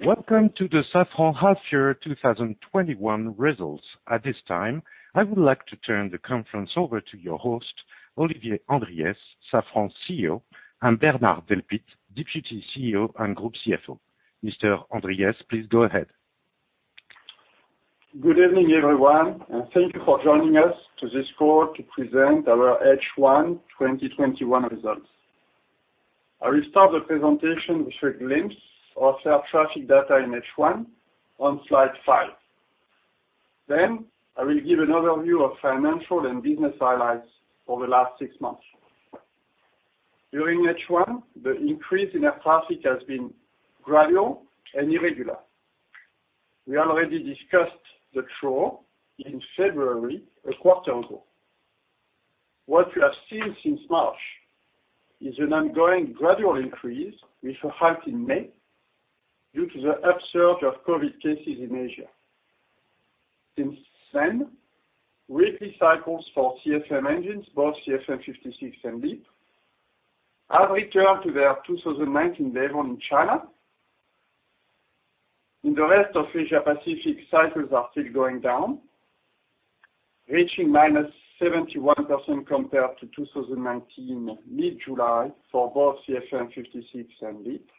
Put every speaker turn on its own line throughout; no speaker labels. Welcome to the Safran Half Year 2021 Results. At this time, I would like to turn the conference over to your host, Olivier Andriès, Safran CEO, and Bernard Delpit, Deputy CEO and Group CFO. Mr. Andriès, please go ahead.
Good evening, everyone, and thank you for joining us to this call to present our H1 2021 results. I will start the presentation with a glimpse of air traffic data in H1 on slide five. I will give an overview of financial and business highlights for the last six months. During H1, the increase in air traffic has been gradual and irregular. We already discussed the trough in February, a quarter ago. What we have seen since March is an ongoing gradual increase with a halt in May due to the upsurge of COVID cases in Asia. Weekly cycles for CFM engines, both CFM56 and LEAP, have returned to their 2019 level in China. In the rest of Asia-Pacific, cycles are still going down, reaching -71% compared to 2019 mid-July for both CFM56 and LEAP.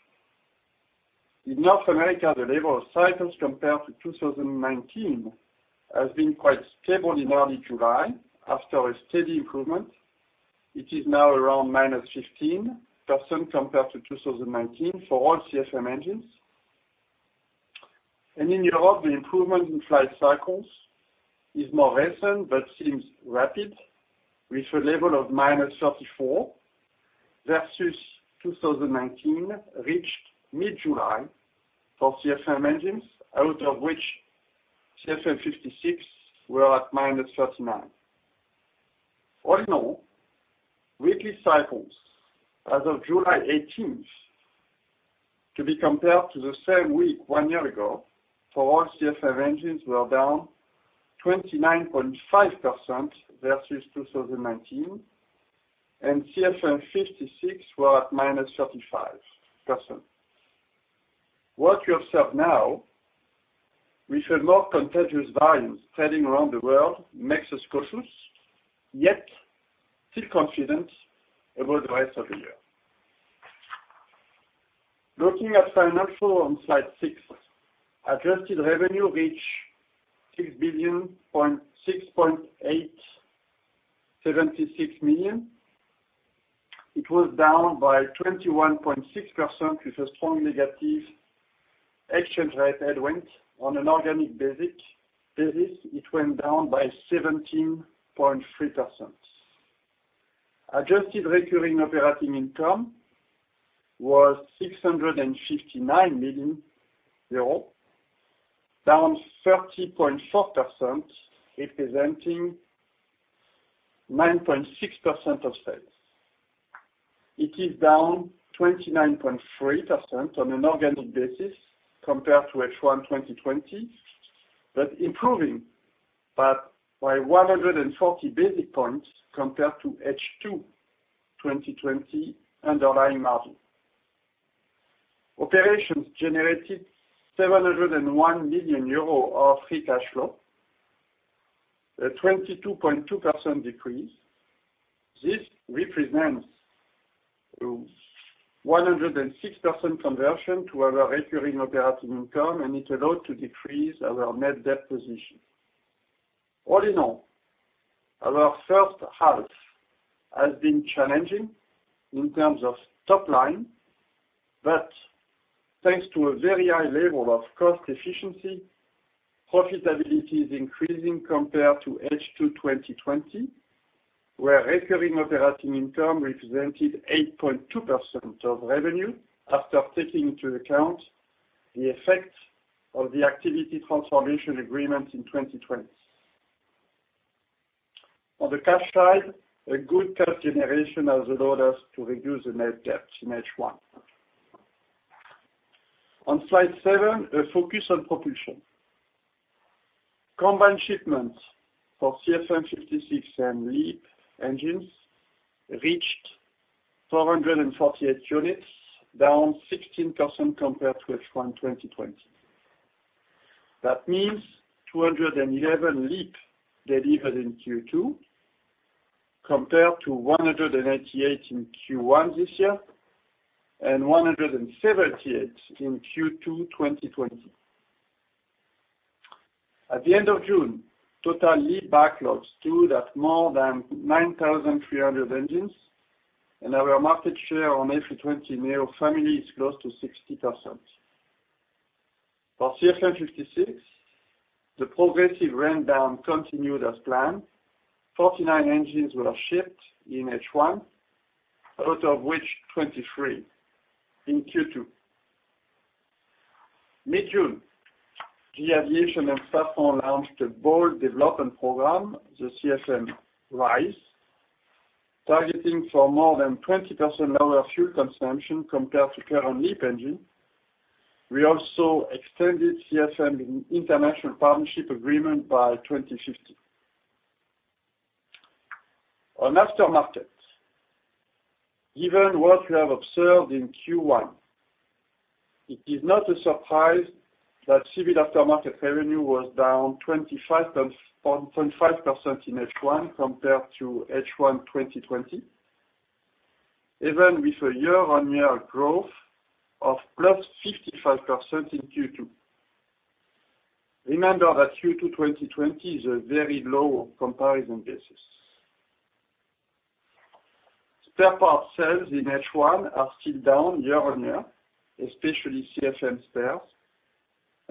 In North America, the level of cycles compared to 2019 has been quite stable in early July after a steady improvement. It is now around -15% compared to 2019 for all CFM engines. In Europe, the improvement in flight cycles is more recent but seems rapid, with a level of -34% versus 2019 reached mid-July for CFM engines, out of which CFM56 were at -39%. All in all, weekly cycles as of July 18th, to be compared to the same week one year ago, for all CFM engines were down 29.5% versus 2019, and CFM56 were at -35%. What we observe now with a more contagious variant spreading around the world makes us cautious, yet still confident about the rest of the year. Looking at financial on slide six, adjusted revenue reached 6.676 billion. It was down by 21.6% with a strong negative exchange rate headwind. On an organic basis, it went down by 17.3%. Adjusted recurring operating income was EUR 659 million, down 30.4%, representing 9.6% of sales. It is down 29.3% on an organic basis compared to H1 2020, but improving by 140 basic points compared to H2 2020 underlying margin. Operations generated 701 million euro of free cash flow, a 22.2% decrease. This represents 106% conversion to our recurring operating income, and it allowed to decrease our net debt position. All in all, our first half has been challenging in terms of top line, but thanks to a very high level of cost efficiency, profitability is increasing compared to H2 2020, where recurring operating income represented 8.2% of revenue after taking into account the effect of the activity transformation agreement in 2020. On the cash side, a good cash generation has allowed us to reduce the net debt in H1. On slide seven, a focus on propulsion. Combined shipments for CFM56 and LEAP engines reached 448 units, down 16% compared to H1 2020. That means 211 LEAP delivered in Q2 compared to 188 in Q1 this year and 178 in Q2 2020. At the end of June, total LEAP backlogs stood at more than 9,300 engines, and our market share on A320neo family is close to 60%. For CFM56, the progressive ramp-down continued as planned. 49 engines were shipped in H1, out of which 23 in Q2. Mid-June, GE Aviation and Safran launched a bold development program, the CFM RISE, targeting for more than 20% lower fuel consumption compared to current LEAP engine. We also extended CFM International partnership agreement by 2050. On aftermarket. Given what we have observed in Q1, it is not a surprise that Civil Aftermarket revenue was down 25.5% in H1 compared to H1 2020, even with a year-on-year growth of +55% in Q2. Remember that Q2 2020 is a very low comparison basis. Spare parts sales in H1 are still down year-on-year, especially CFM spares,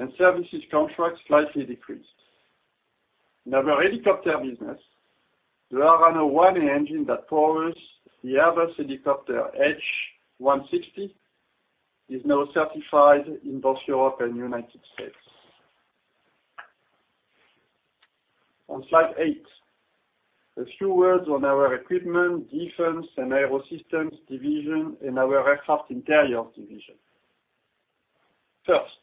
and services contracts slightly decreased. In our helicopter business, the Arrano 1A engine that powers the Airbus Helicopters H160 is now certified in both Europe and U.S. On slide eight, a few words on our Equipment, Defense, and Aerosystems division and our Aircraft Interiors division. First,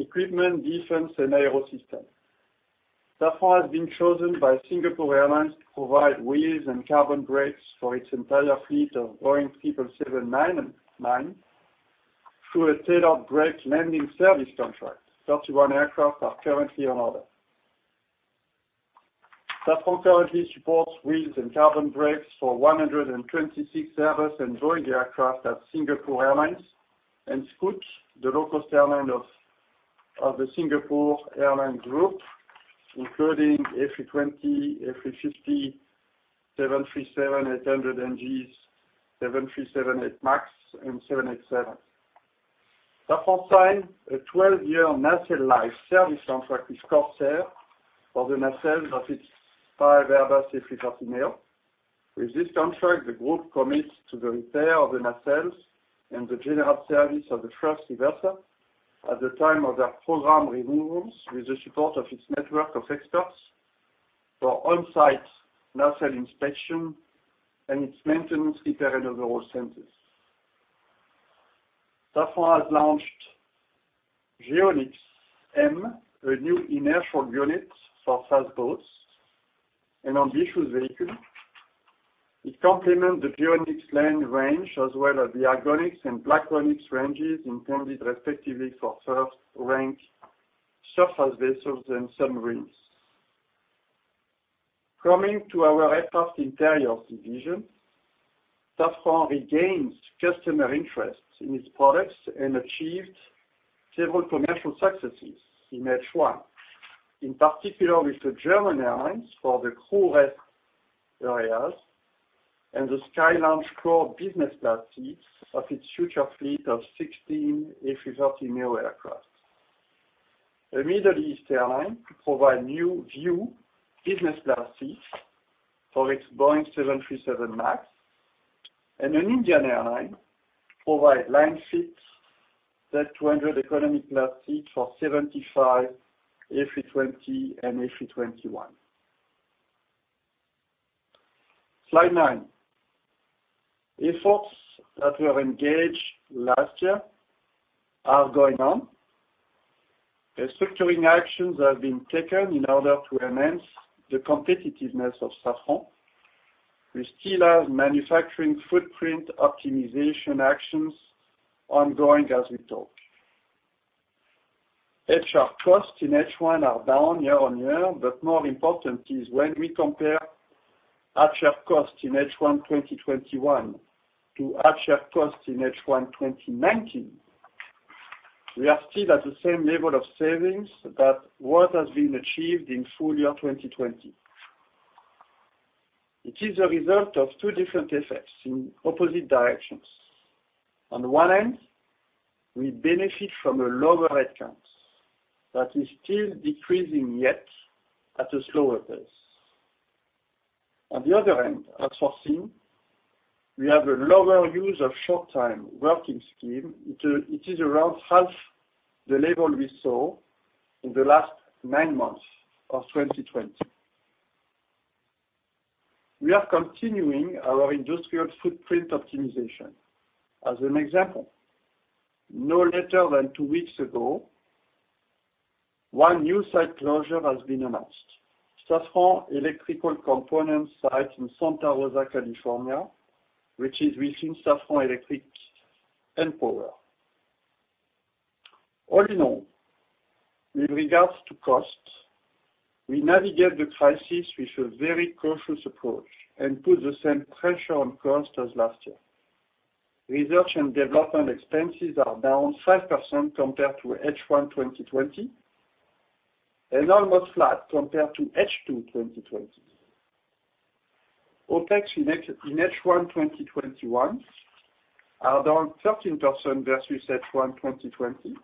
Equipment, Defense, and Aerosystems. Safran has been chosen by Singapore Airlines to provide wheels and carbon brakes for its entire fleet of Boeing 777-9 through a tailored brake landing service contract. 31 aircraft are currently on order. Safran currently supports wheels and carbon brakes for 126 Airbus and Boeing aircraft at Singapore Airlines and Scoot, the low-cost airline of the Singapore Airlines group, including A320, A350, 737-800NGs, 737 MAX 8, and 787. Safran signed a 12-year nacelle life service contract with Corsair for the nacelles of its five Airbus A330neo. With this contract, the group commits to the repair of the nacelles and the general service of the thrust reverser at the time of their program removals with the support of its network of experts for on-site nacelle inspection and its maintenance, repair, and overhaul centers. Safran has launched Geonyx M, a new inertial unit for fast boats and amphibious vehicle. It complements the Geonyx line range, as well as the Argonyx and Black-Onyx ranges intended respectively for surface vessels and submarines. Coming to our Aircraft Interiors division, Safran regains customer interest in its products and achieved several commercial successes in H1, in particular with the German airlines for the crew rest areas and the Skylounge Core business class seats of its future fleet of 16 A330neo aircraft. A Middle East airline to provide new VUE business class seats for its Boeing 737 MAX, and an Indian airline to provide Z110i economy class seats for 75 A320 and A321. Slide nine. Efforts that were engaged last year are going on. Restructuring actions have been taken in order to enhance the competitiveness of Safran. We still have manufacturing footprint optimization actions ongoing as we talk. HR costs in H1 are down year-on-year, but more important is when we compare HR costs in H1 2021 to HR costs in H1 2019, we are still at the same level of savings that what has been achieved in full year 2020. It is a result of two different effects in opposite directions. On the one hand, we benefit from a lower head count that is still decreasing yet at a slower pace. On the other hand, as foreseen, we have a lower use of short-time working scheme. It is around half the level we saw in the last nine months of 2020. We are continuing our industrial footprint optimization. As an example, no later than two weeks ago, one new site closure has been announced. Safran Electrical Components site in Santa Rosa, California, which is within Safran Electrical & Power. All in all, with regards to costs, we navigate the crisis with a very cautious approach and put the same pressure on costs as last year. Research and development expenses are down 5% compared to H1 2020 and almost flat compared to H2 2020. OpEx in H1 2021 are down 13% versus H1 2020,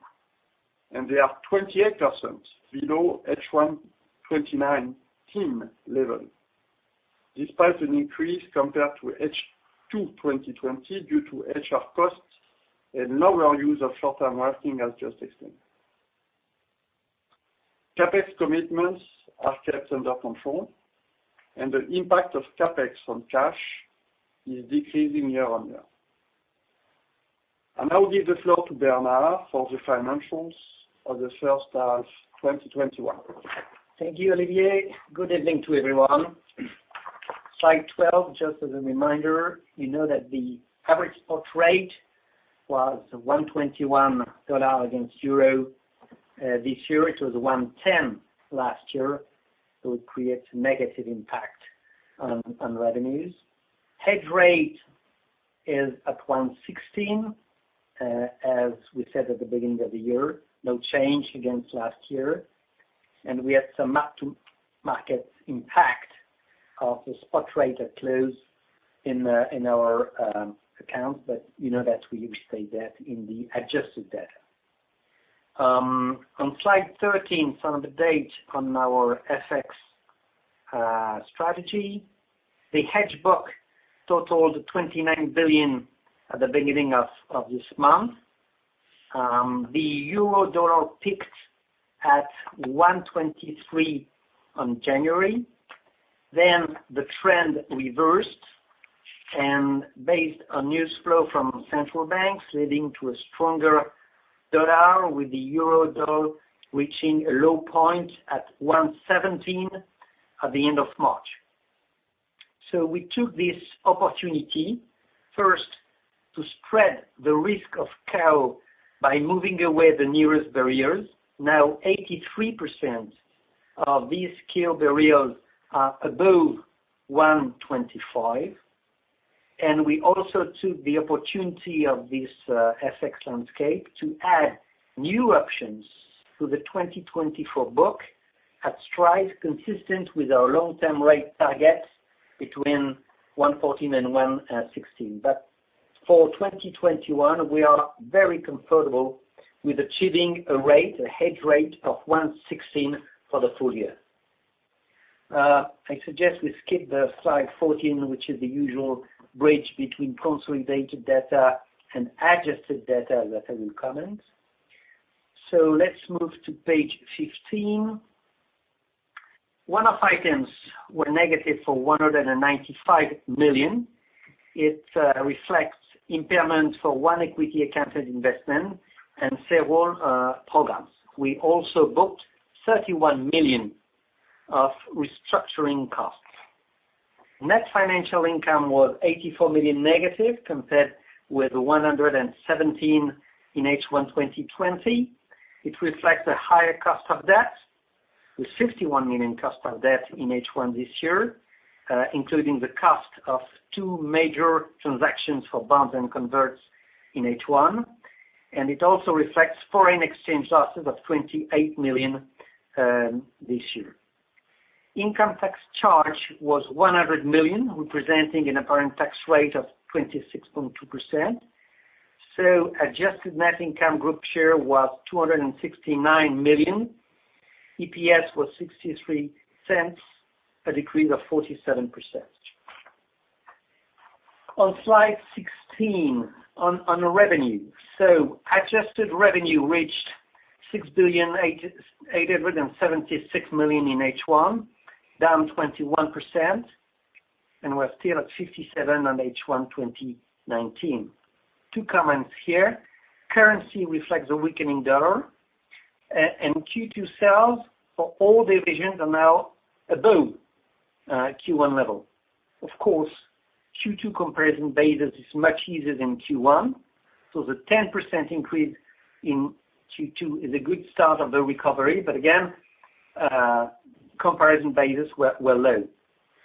and they are 28% below H1 2019 level, despite an increase compared to H2 2020 due to HR costs and lower use of short-term working, as just explained. CapEx commitments are kept under control, and the impact of CapEx on cash is decreasing year-on-year. I will give the floor to Bernard for the financials of the first half of 2021.
Thank you, Olivier. Good evening to everyone. Slide 12, just as a reminder, you know that the average spot rate was $1.21 against euro this year. It was $1.10 last year, it creates a negative impact on revenues. Hedge rate is at $1.16, as we said at the beginning of the year, no change against last year. We had some mark-to-market impact of the spot rate at close in our accounts, you know that we will state that in the adjusted data. On slide 13, some update on our FX strategy. The hedge book totaled 29 billion at the beginning of this month. The euro dollar peaked at $1.23 on January. The trend reversed, based on news flow from central banks leading to a stronger dollar, with the euro dollar reaching a low point at $1.17 at the end of March. We took this opportunity first, to spread the risk of tail by moving away the nearest barriers. 83% of these scale barriers are above $125, and we also took the opportunity of this FX landscape to add new options to the 2024 book at strikes consistent with our long-term rate targets between $114 and $116. For 2021, we are very comfortable with achieving a hedge rate of $116 for the full year. I suggest we skip slide 14, which is the usual bridge between consolidated data and adjusted data that I will comment. Let's move to page 15. One-off items were negative for 195 million. It reflects impairment for one equity accounted investment and several programs. We also booked 31 million of restructuring costs. Net financial income was 84 million-, compared with 117 in H1 2020. It reflects the higher cost of debt, with 51 million cost of debt in H1 this year, including the cost of two major transactions for bonds and converts in H1. It also reflects foreign exchange losses of 28 million this year. Income tax charge was 100 million, representing an apparent tax rate of 26.2%. Adjusted net income group share was 269 million. EPS was 0.63, a decrease of 47%. On slide 16, on revenue. Adjusted revenue reached 6.876 billion in H1, down 21%, and we're still at 57% on H1 2019. Two comments here. Currency reflects the weakening dollar, Q2 sales for all divisions are now above Q1 level. Of course, Q2 comparison basis is much easier than Q1, the 10% increase in Q2 is a good start of the recovery. Again, comparison basis were low.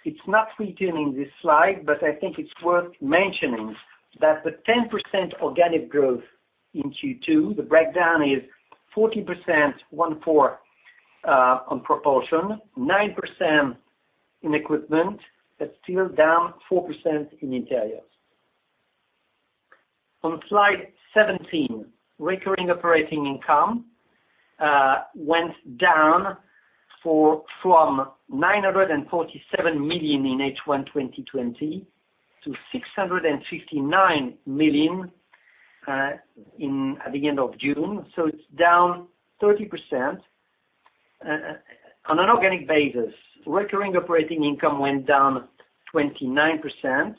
It's not featured in this slide, I think it's worth mentioning that the 10% organic growth in Q2, the breakdown is 14% on propulsion, 9% in equipment, but still down 4% in interiors. On slide 17, recurring operating income went down from 947 million in H1 2020 to 659 million at the end of June, it's down 30%. On an organic basis, recurring operating income went down 29%.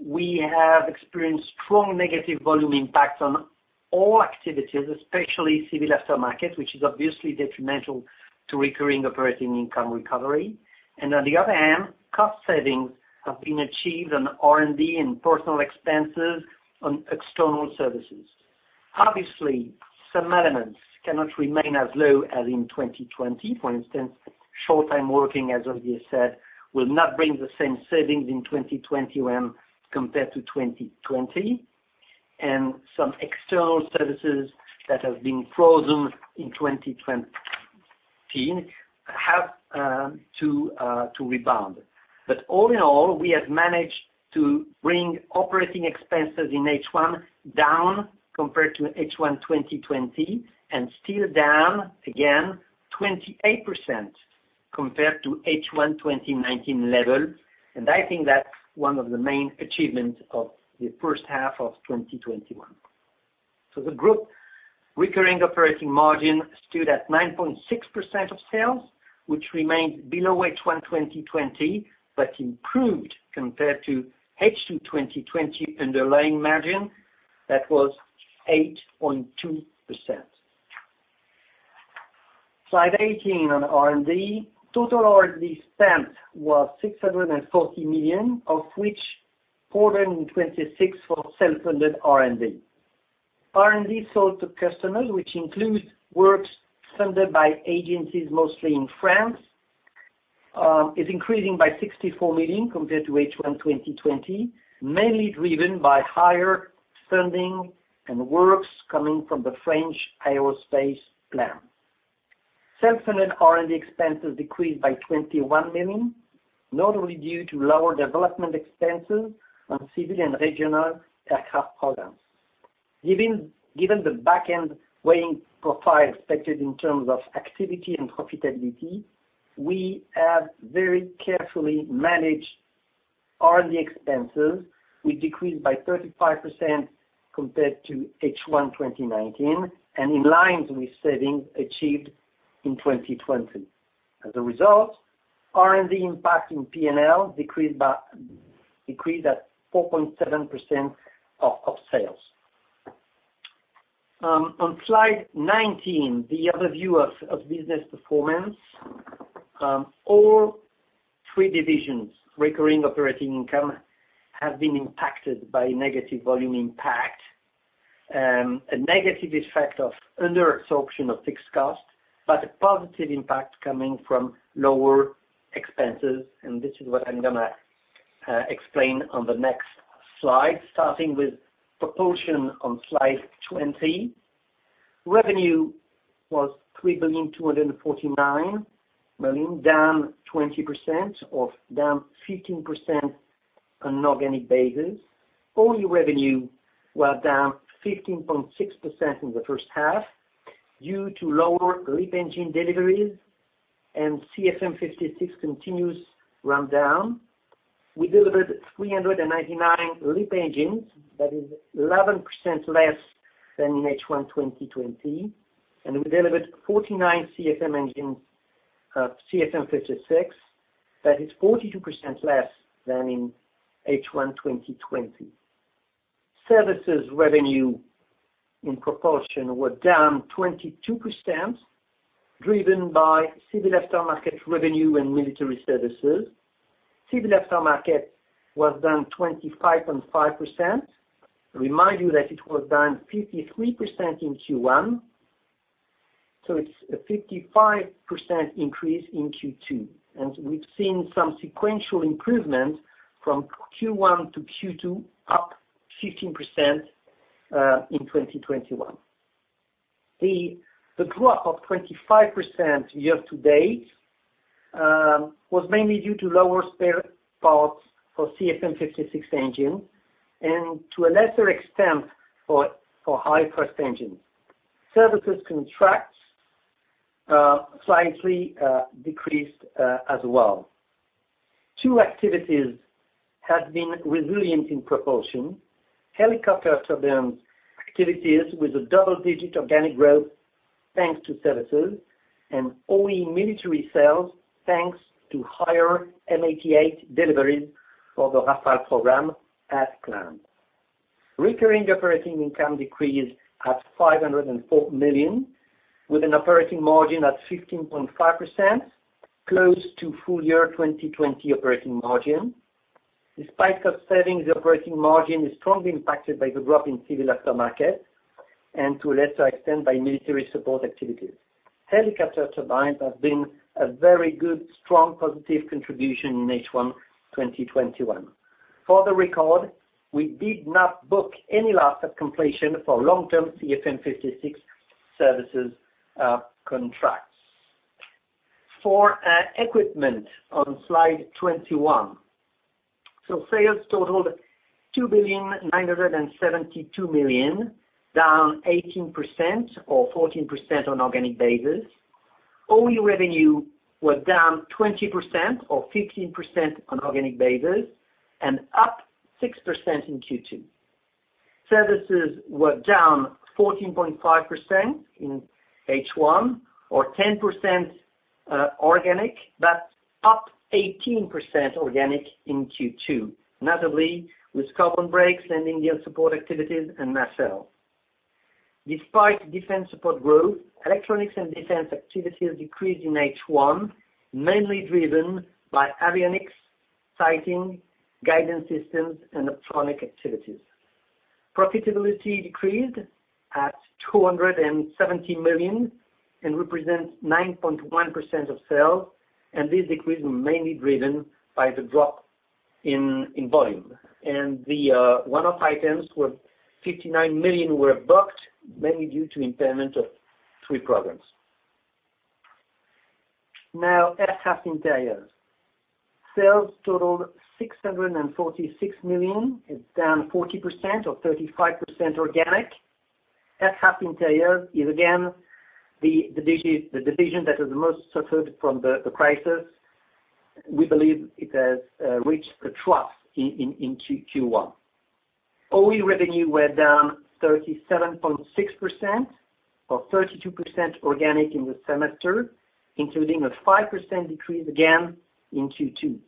We have experienced strong negative volume impact on all activities, especially civil after market, which is obviously detrimental to recurring operating income recovery. On the other hand, cost savings have been achieved on R&D and personal expenses on external services. Obviously, some elements cannot remain as low as in 2020. For instance, short-time working, as Olivier said, will not bring the same savings in 2021 compared to 2020, and some external services that have been frozen in 2020 have to rebound. All in all, we have managed to bring operating expenses in H1 down compared to H1 2020, and still down again 28% compared to H1 2019 level. I think that's one of the main achievements of the first half of 2021. The group recurring operating margin stood at 9.6% of sales, which remains below H1 2020, but improved compared to H2 2020 underlying margin that was 8.2%. Slide 18 on R&D. Total R&D spent was 640 million, of which 426 for self-funded R&D. R&D sold to customers, which includes works funded by agencies mostly in France, is increasing by 64 million compared to H1 2020, mainly driven by higher funding and works coming from the French Aerospace Plan. Self-funded R&D expenses decreased by 21 million, notably due to lower development expenses on civil and regional aircraft programs. Given the back end weighing profile expected in terms of activity and profitability, we have very carefully managed R&D expenses, which decreased by 35% compared to H1 2019 and in line with savings achieved in 2020. As a result, R&D impact in P&L decreased at 4.7% of sales. On slide 19, the overview of business performance. All three divisions' recurring operating income have been impacted by negative volume impact, a negative effect of under absorption of fixed cost, but a positive impact coming from lower expenses. This is what I'm going to explain on the next slide, starting with propulsion on slide 20. Revenue was 3.249 billion down 20% or down 15% on an organic basis. OE revenue was down 15.6% in the first half due to lower LEAP engine deliveries and CFM56 continues rundown. We delivered 399 LEAP engines, that is 11% less than in H1 2020. We delivered 49 CFM56, that is 42% less than in H1 2020. Services revenue in propulsion were down 22%, driven by civil aftermarket revenue and military services. Civil aftermarket was down 25.5%. Remind you that it was down 53% in Q1, so it's a 55% increase in Q2. We've seen some sequential improvement from Q1 to Q2, up 15% in 2021. The drop of 25% year-to-date was mainly due to lower spare parts for CFM56 engine and to a lesser extent for high thrust engines. Services contracts slightly decreased as well. Two activities have been resilient in propulsion, helicopter turbine activities with a double-digit organic growth thanks to services, and OE military sales, thanks to higher M88 deliveries for the Rafale program as planned. Recurring operating income decreased at 504 million with an operating margin at 15.5%, close to full year 2020 operating margin. Despite cost savings, the operating margin is strongly impacted by the drop in civil aftermarket and to a lesser extent, by military support activities. Helicopter turbines have been a very good, strong, positive contribution in H1 2021. For the record, we did not book any loss at completion for long-term CFM56 services contracts. For equipment on slide 21. Sales totaled 2.972 billion, down 18% or 14% on an organic basis. OE revenue was down 20% or 15% on an organic basis and up 6% in Q2. Services were down 14.5% in H1 or 10% organic, but up 18% organic in Q2, notably with carbon brakes and engine support activities in nacelles. Despite defense support growth, electronics and defense activities decreased in H1, mainly driven by avionics, sighting, guidance systems, and optronic activities. Profitability decreased at 270 million and represents 9.1% of sales, and this decrease was mainly driven by the drop in volume. The one-off items were 59 million were booked, mainly due to impairment of three programs. Now, aircraft interiors. Sales totaled 646 million. It is down 40% or 35% organic. Aircraft Interior is again the division that has most suffered from the crisis. We believe it has reached a trough in Q1. OE revenue was down 37.6%, or 32% organic in the semester, including a 5% decrease again in Q2.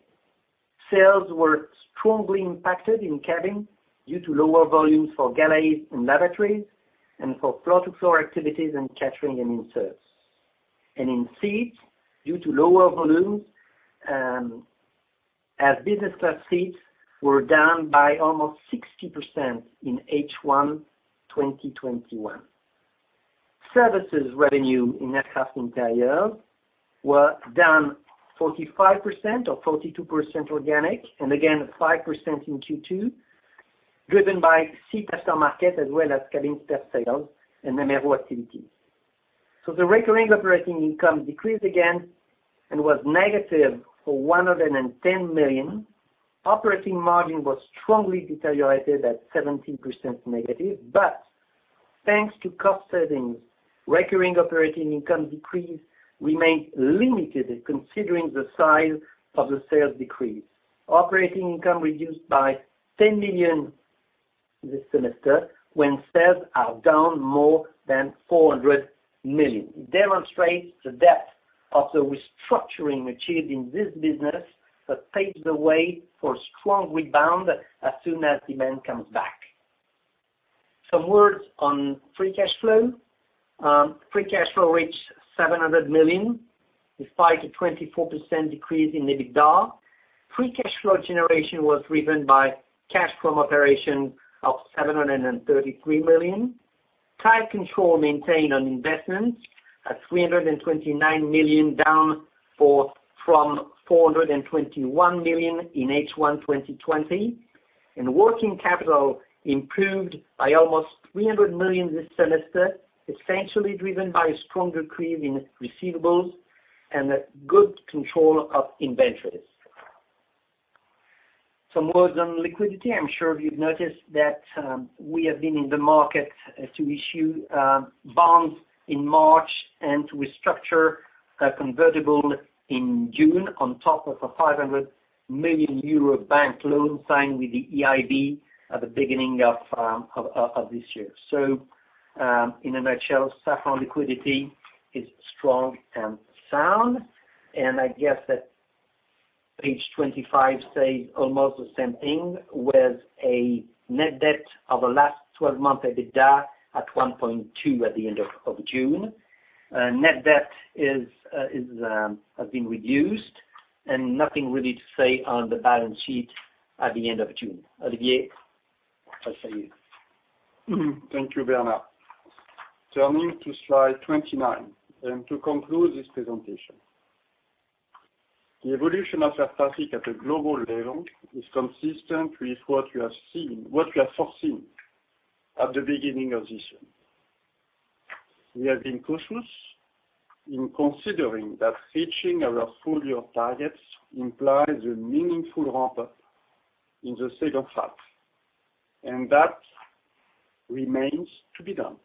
Sales were strongly impacted in cabin due to lower volumes for galleys and lavatories, and for floor-to-floor activities and catering and inserts. In seats due to lower volumes, as business class seats were down by almost 60% in H1 2021. Services revenue in Aircraft Interior was down 45% or 42% organic, and again 5% in Q2, driven by seat aftermarket, as well as cabin spare sales and MRO activities. The recurring operating income decreased again and was negative for 110 million. Operating margin was strongly deteriorated at 17%-. Thanks to cost savings, recurring operating income decrease remained limited considering the size of the sales decrease. Operating income reduced by 10 million this semester, when sales are down more than 400 million. It demonstrates the depth of the restructuring achieved in this business that paves the way for strong rebound as soon as demand comes back. Some words on free cash flow. Free cash flow reached 700 million, despite a 24% decrease in EBITDA. Free cash flow generation was driven by cash from operation of 733 million. Tight control maintained on investments at 329 million, down from 421 million in H1 2020. Working capital improved by almost 300 million this semester, essentially driven by a strong decrease in receivables and a good control of inventories. Some words on liquidity. I'm sure you've noticed that we have been in the market to issue bonds in March and to restructure a convertible in June, on top of a 500 million euro bank loan signed with the EIB at the beginning of this year. In a nutshell, Safran liquidity is strong and sound, and I guess that page 25 says almost the same thing with a net debt of the last 12 months EBITDA at 1.2x at the end of June. Net debt has been reduced and nothing really to say on the balance sheet at the end of June. Olivier, over to you.
Thank you, Bernard. Turning to slide 29 to conclude this presentation. The evolution of air traffic at a global level is consistent with what we are foreseeing at the beginning of this year. We have been cautious in considering that reaching our full-year targets implies a meaningful ramp-up in the second half, that remains to be done.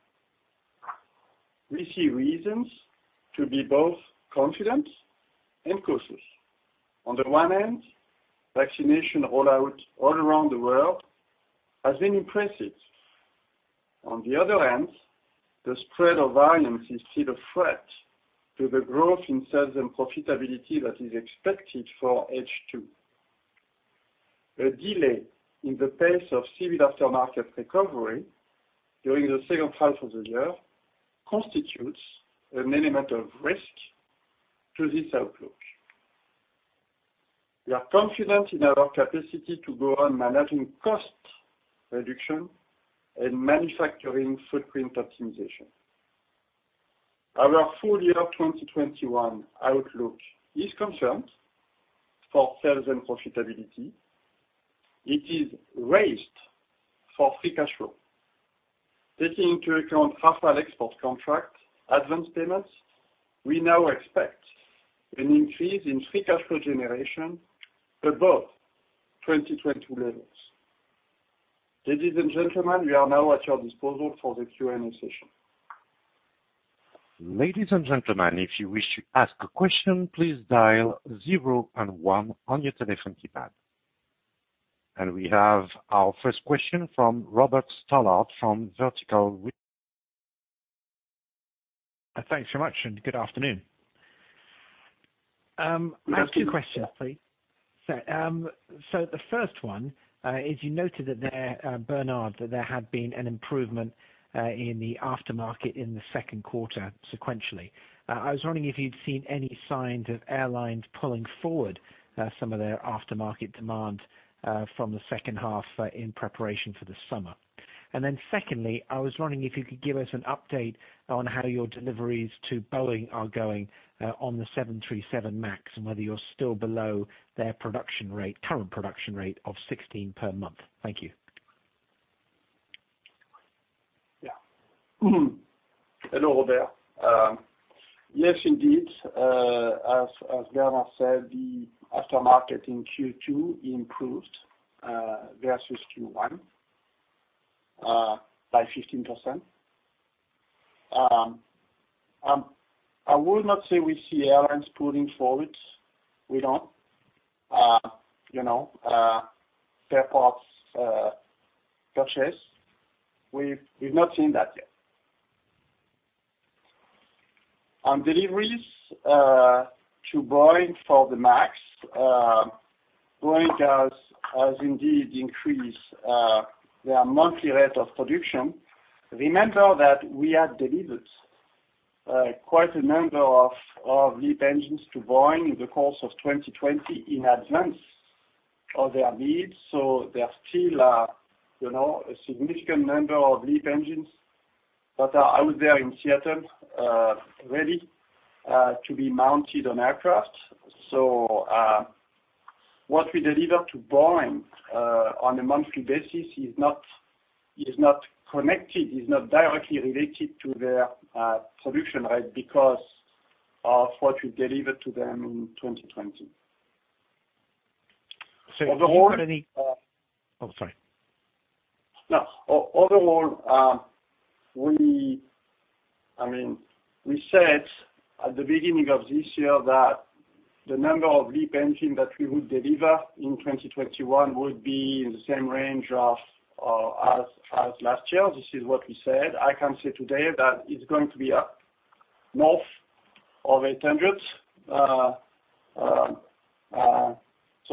We see reasons to be both confident and cautious. On the one hand, vaccination rollout all around the world has been impressive. On the other hand, the spread of variants is still a threat to the growth in sales and profitability that is expected for H2. A delay in the pace of civil aftermarket recovery during the second half of the year constitutes an element of risk to this outlook. We are confident in our capacity to go on managing cost reduction and manufacturing footprint optimization. Our full year 2021 outlook is confirmed for sales and profitability. It is raised for free cash flow. Taking into account Rafale export contract advance payments, we now expect an increase in free cash flow generation above 2020 levels. Ladies and gentlemen, we are now at your disposal for the Q&A session.
Ladies and gentlemen, if you wish to ask a question, please dial zero and one on your telephone keypad. We have our first question from Robert Stallard from Vertical.
Thanks so much, and good afternoon. I have two questions, please. The first one is, you noted that there, Bernard, that there had been an improvement in the aftermarket in the second quarter sequentially. I was wondering if you'd seen any signs of airlines pulling forward some of their aftermarket demand from the second half in preparation for the summer. Secondly, I was wondering if you could give us an update on how your deliveries to Boeing are going on the 737 MAX, and whether you're still below their current production rate of 16 per month. Thank you.
Hello, Robert. Yes, indeed, as Bernard said, the aftermarket in Q2 improved versus Q1 by 15%. I would not say we see airlines pulling forward. We don't. Spare parts purchase, we've not seen that yet. On deliveries to Boeing for the MAX, Boeing has indeed increased their monthly rate of production. Remember that we had delivered quite a number of LEAP engines to Boeing in the course of 2020 in advance of their needs. There's still a significant number of LEAP engines that are out there in Seattle ready to be mounted on aircraft. What we deliver to Boeing on a monthly basis is not connected, is not directly related to their production rate because of what we delivered to them in 2020.
So do you have any-
Overall-
Oh, sorry.
Overall, we said at the beginning of this year that the number of LEAP engines that we would deliver in 2021 would be in the same range as last year. This is what we said. I can say today that it's going to be up north of 800.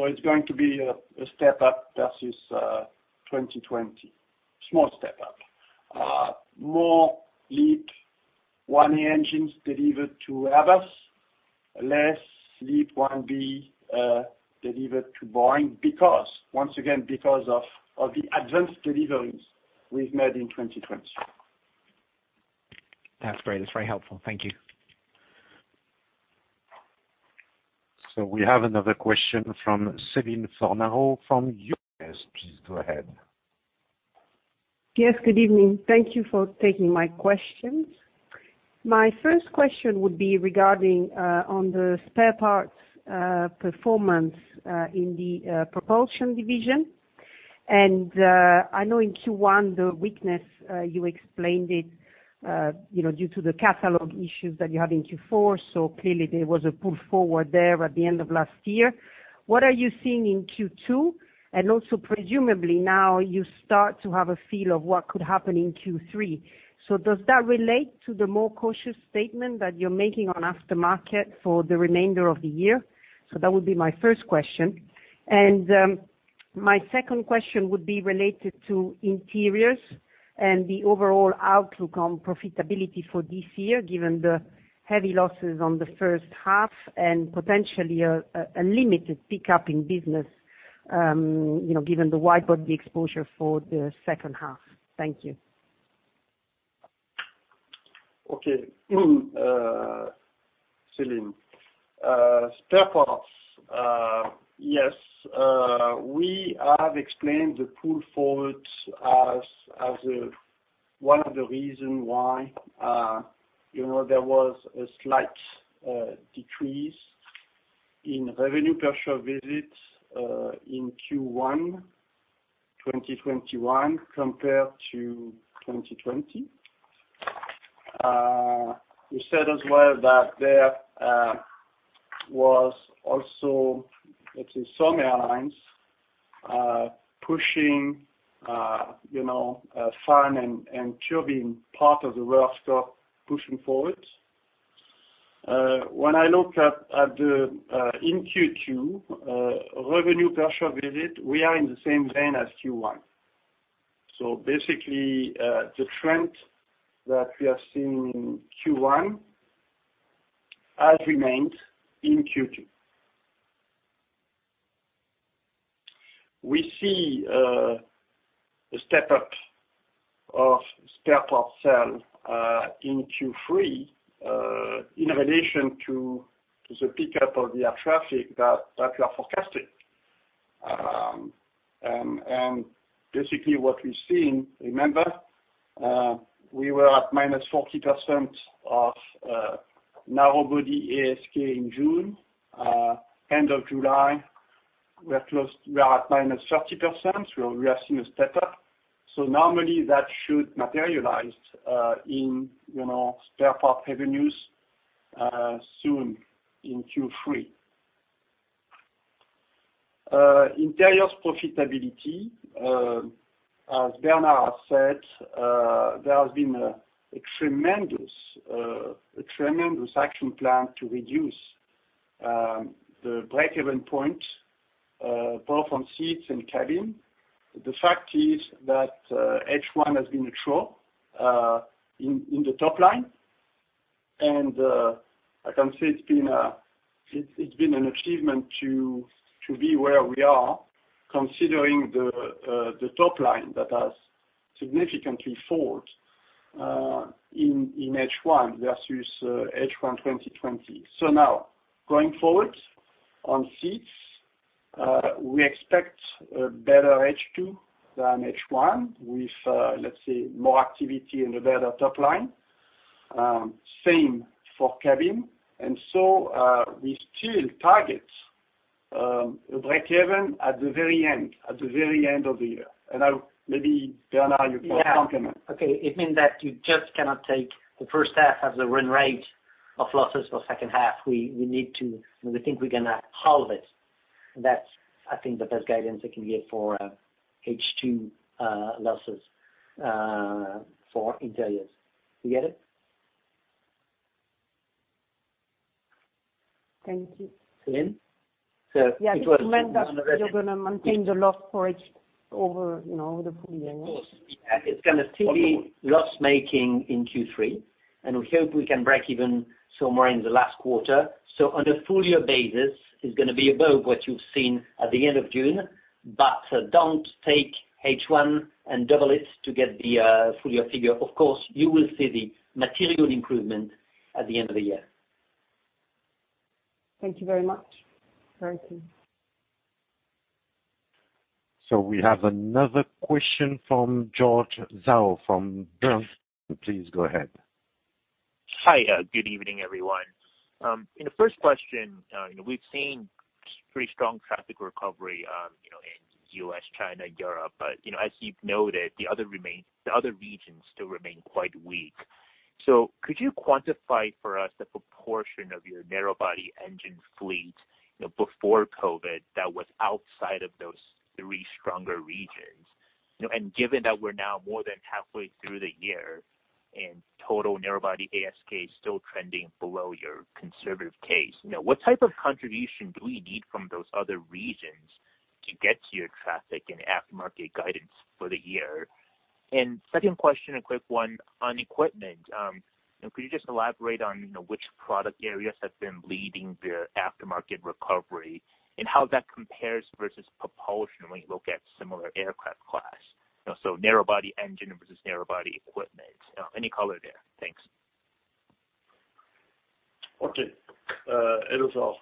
It's going to be a step up versus 2020. Small step up. More LEAP-1A engines delivered to Airbus, less LEAP-1B delivered to Boeing, once again, because of the advanced deliveries we've made in 2020.
That's great. That's very helpful. Thank you.
We have another question from Céline Fornaro from UBS. Please go ahead.
Yes, good evening. Thank you for taking my questions. My first question would be regarding on the spare parts performance in the propulsion division. I know in Q1, the weakness, you explained it, due to the catalog issues that you had in Q4, so clearly there was a pull forward there at the end of last year. What are you seeing in Q2? Also, presumably now you start to have a feel of what could happen in Q3. Does that relate to the more cautious statement that you're making on aftermarket for the remainder of the year? That would be my first question. My second question would be related to interiors and the overall outlook on profitability for this year, given the heavy losses on the first half and potentially a limited pickup in business, given the wide-body exposure for the second half. Thank you.
Okay. Céline. Spare parts. Yes, we have explained the pull forward as one of the reason why there was a slight decrease in revenue per shop visit in Q1 2021 compared to 2020. We said as well that there was also, let's say, some airlines pushing fan and turbine part of the work scope pushing forward. When I look in Q2, revenue per shop visit, we are in the same vein as Q1. Basically, the trend that we have seen in Q1 has remained in Q2. We see a step up of spare parts sale in Q3 in relation to the pickup of the air traffic that we are forecasting. Basically what we're seeing, remember, we were at -40% of narrow body ASK in June. End of July, we are at -30%. We are seeing a step up. Normally that should materialize in spare part revenues soon in Q3. Interiors profitability, as Bernard has said, there has been a tremendous action plan to reduce the breakeven point, both on seats and cabin. The fact is that H1 has been a trough in the top line, and I can say it's been an achievement to be where we are, considering the top line that has significantly fallen in H1 versus H1 2020. Now, going forward on seats, we expect a better H2 than H1 with, let's say, more activity and a better top line. Same for cabin. We still target a breakeven at the very end of the year. Now maybe, Bernard, you can complement.
It means that you just cannot take the first half as a run rate of losses for second half. We think we're going to halve it. That's, I think, the best guidance I can give for H2 losses for interiors. You get it?
Thank you.
Céline?
Yeah. Just to mention, you're going to maintain the loss for H1 over the full year, yes?
Of course. It's going to be loss-making in Q3, and we hope we can break even somewhere in the last quarter. On a full year basis, it's going to be above what you've seen at the end of June. Don't take H1 and double it to get the full year figure. Of course, you will see the material improvement at the end of the year.
Thank you very much. Very clear.
We have another question from George Zhao from Bernstein. Please go ahead.
Hi. Good evening, everyone. In the first question, we've seen pretty strong traffic recovery in U.S., China, Europe. As you've noted, the other regions still remain quite weak. Could you quantify for us the proportion of your narrow body engine fleet before COVID that was outside of those three stronger regions? Given that we're now more than halfway through the year and total narrow body ASK is still trending below your conservative case, what type of contribution do we need from those other regions to get to your traffic and aftermarket guidance for the year? Second question, a quick one on equipment. Can you just elaborate on which product areas have been leading the aftermarket recovery and how that compares versus propulsion when you look at similar aircraft class? Narrow body engine versus narrow body equipment. Any color there? Thanks.
Okay. Hello, Zhao.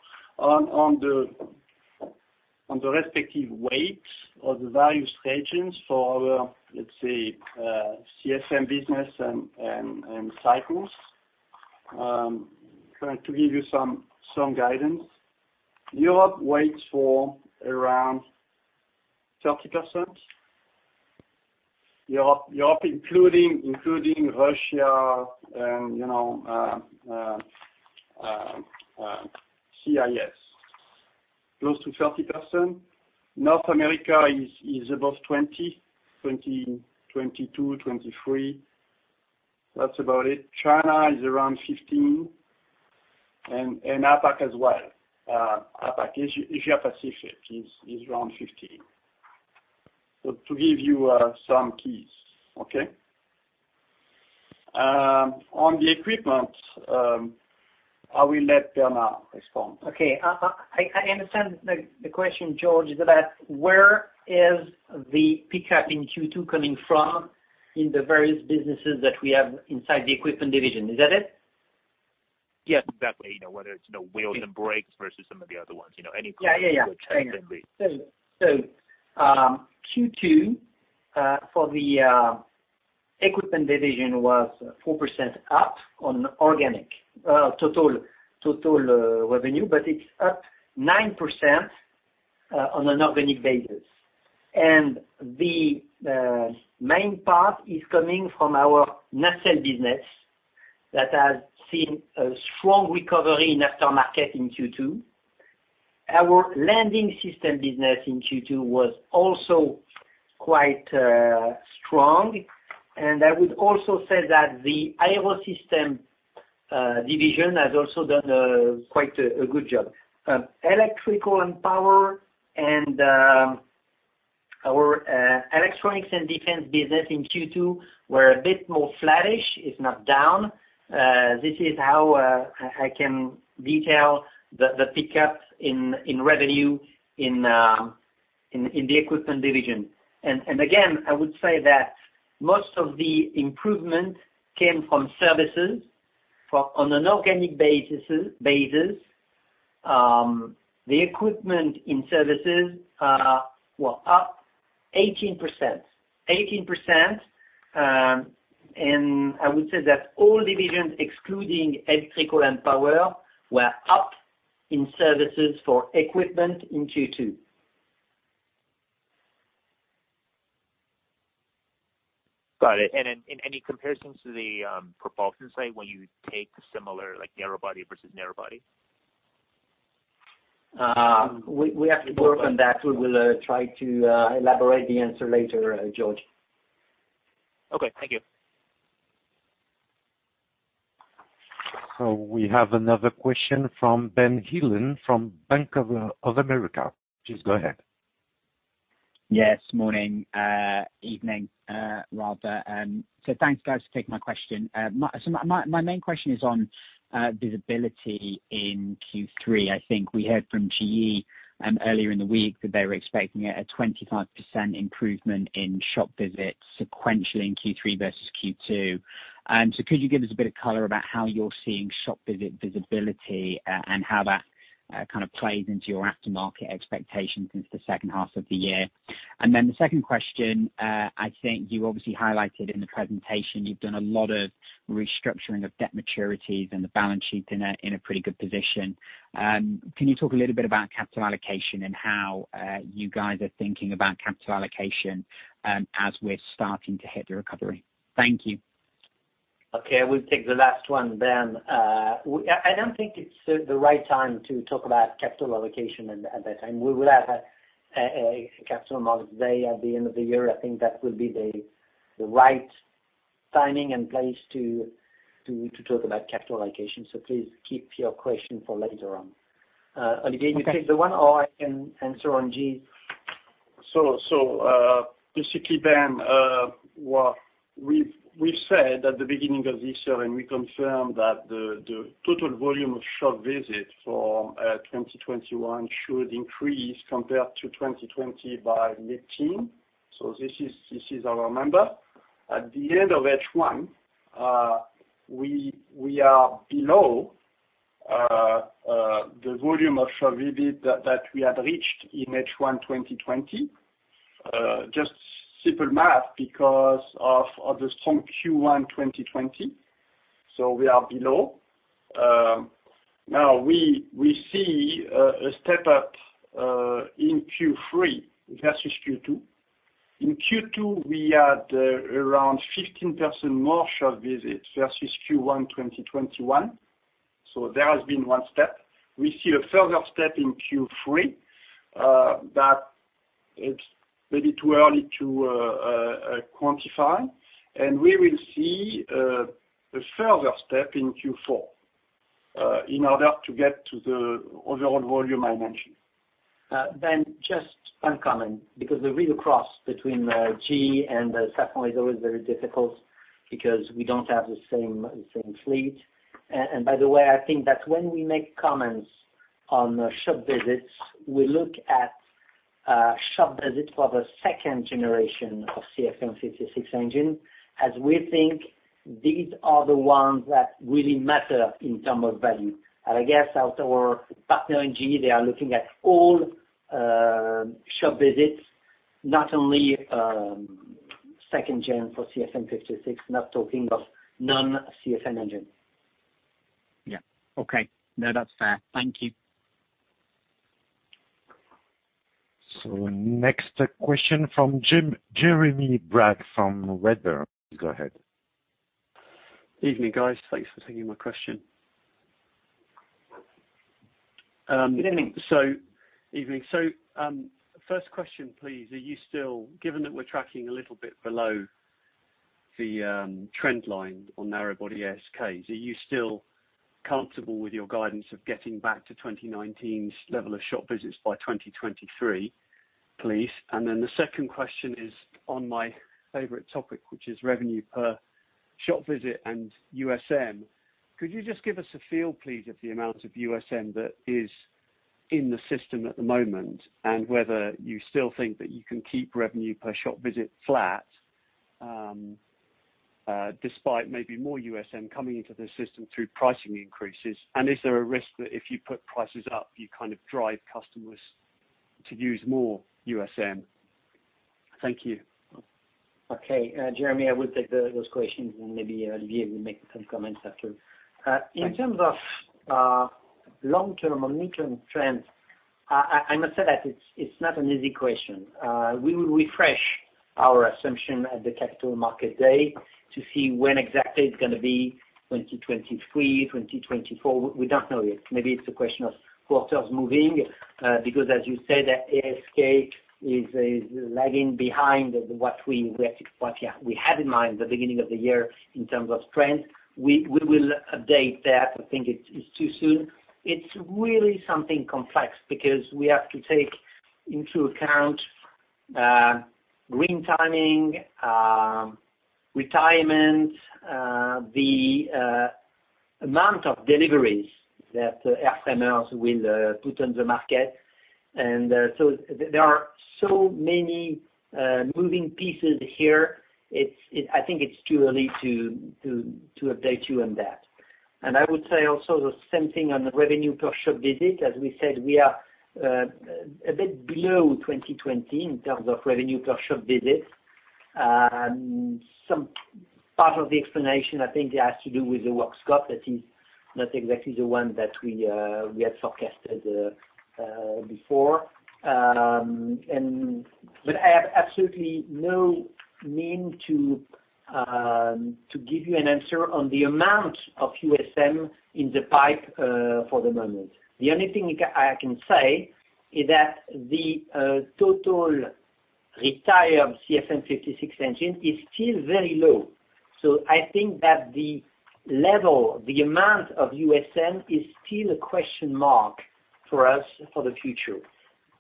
On the respective weights of the various regions for our, let's say, CFM business and cycles, trying to give you some guidance. Europe weighs for around 30%. Europe including Russia and CIS, close to 30%. North America is above 20%, 22%, 23%. That's about it. China is around 15% and APAC as well. APAC, Asia Pacific is around 15%. To give you some keys, okay? On the equipment, I will let Bernard respond.
Okay. I understand the question, George, is about where is the pickup in Q2 coming from in the various businesses that we have inside the equipment division. Is that it?
Yes, exactly. Whether it's wheels and brakes versus some of the other ones. Any color you would share would be great.
Fair enough. Q2 for the equipment division was 4% up on total revenue, but it's up 9% on an organic basis. The main part is coming from our nacelle business that has seen a strong recovery in aftermarket in Q2. Our landing system business in Q2 was also quite strong, and I would also say that the Aerosystems division has also done quite a good job. Electrical and Power and our electronics and defense business in Q2 were a bit more flattish. It's not down. This is how I can detail the pickup in revenue in the equipment division. Again, I would say that most of the improvement came from services on an organic basis. The equipment in services were up 18%. I would say that all divisions, excluding Electrical and Power, were up in services for equipment in Q2.
Got it. Any comparisons to the propulsion side when you take a similar narrow body versus narrow body?
We have to work on that. We will try to elaborate the answer later, George.
Okay. Thank you.
We have another question from Ben Heelan from Bank of America. Please go ahead.
Yes. Morning, evening, rather. Thanks guys for taking my question. My main question is on visibility in Q3. I think we heard from GE earlier in the week that they were expecting a 25% improvement in shop visits sequentially in Q3 versus Q2. Could you give us a bit of color about how you're seeing shop visit visibility and how that kind of plays into your aftermarket expectations into the second half of the year? The second question, I think you obviously highlighted in the presentation, you've done a lot of restructuring of debt maturities and the balance sheet in a pretty good position. Can you talk a little bit about capital allocation and how you guys are thinking about capital allocation as we're starting to hit the recovery? Thank you.
Okay, I will take the last one, Ben. I don't think it's the right time to talk about capital allocation at that time. We will have a capital markets day at the end of the year. I think that will be the right timing and place to talk about capital allocation. Please keep your question for later on. Olivier, you take the one, or I can answer on GE.
Basically, Ben, what we've said at the beginning of this year, and we confirm that the total volume of shop visit for 2021 should increase compared to 2020 by mid-teen. This is our number. At the end of H1, we are below the volume of shop visit that we had reached in H1 2020. Just simple math because of the strong Q1 2020. We are below. Now, we see a step up in Q3 versus Q2. In Q2, we had around 15% more shop visits versus Q1 2021. There has been one step. We see a further step in Q3, that it's maybe too early to quantify, and we will see a further step in Q4 in order to get to the overall volume I mentioned.
Ben, just one comment, because the read across between GE and Safran is always very difficult because we don't have the same fleet. I think that when we make comments on shop visits, we look at shop visits for the second generation of CFM56 engine, as we think these are the ones that really matter in terms of value. I guess as our partner in GE, they are looking at all shop visits, not only second gen for CFM56, not talking of non-CFM engine.
Yeah. Okay. No, that's fair. Thank you.
Next question from Jeremy Bragg from Redburn. Go ahead.
Evening, guys. Thanks for taking my question.
Evening.
Evening. First question, please. Given that we're tracking a little bit below the trend line on narrow body ASKs, are you still comfortable with your guidance of getting back to 2019's level of shop visits by 2023, please? The second question is on my favorite topic, which is revenue per shop visit and USM. Could you just give us a feel, please, of the amount of USM that is in the system at the moment, and whether you still think that you can keep revenue per shop visit flat, despite maybe more USM coming into the system through pricing increases? Is there a risk that if you put prices up, you drive customers to use more USM? Thank you.
Okay. Jeremy, I will take those questions and maybe Olivier will make some comments after. In terms of long term or midterm trends, I must say that it's not an easy question. We will refresh our assumption at the Capital Market Day to see when exactly it's going to be 2023, 2024. We don't know yet. Maybe it's a question of quarters moving, because as you said, that ASK is lagging behind what we had in mind the beginning of the year in terms of trend. We will update that. I think it's too soon. It's really something complex because we have to take into account re-timing, retirement, the amount of deliveries that air carriers will put on the market. There are so many moving pieces here. I think it's too early to update you on that. I would say also the same thing on the revenue per shop visit. As we said, we are a bit below 2020 in terms of revenue per shop visit. Some part of the explanation, I think, has to do with the work scope that is not exactly the one that we had forecasted before. I have absolutely no mean to give you an answer on the amount of USM in the pipe for the moment. The only thing I can say is that the total retired CFM56 engine is still very low. I think that the level, the amount of USM is still a question mark for us for the future.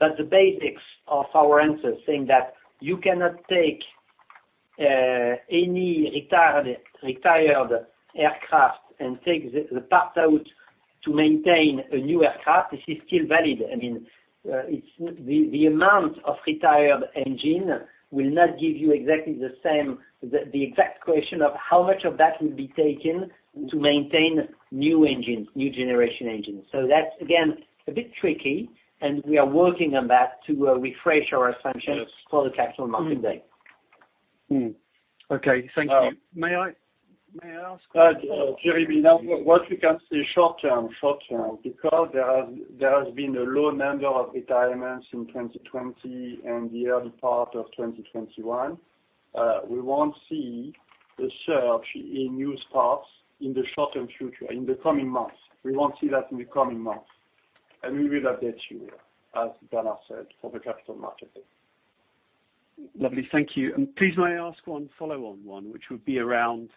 The basics of our answer saying that you cannot take any retired aircraft and take the parts out to maintain a new aircraft, this is still valid. The amount of retired engine will not give you exactly the same, the exact question of how much of that will be taken to maintain new generation engines. That's, again, a bit tricky, and we are working on that to refresh our assumptions for the Capital Market Day.
Okay. Thank you.
May I ask one more? Jeremy, what we can say short term, because there has been a low number of retirements in 2020 and the early part of 2021, we won't see a surge in new starts in the short term future, in the coming months. We won't see that in the coming months. We will update you, as Bernard said, for the capital markets.
Lovely. Thank you. Please may I ask one follow-on one, which would be around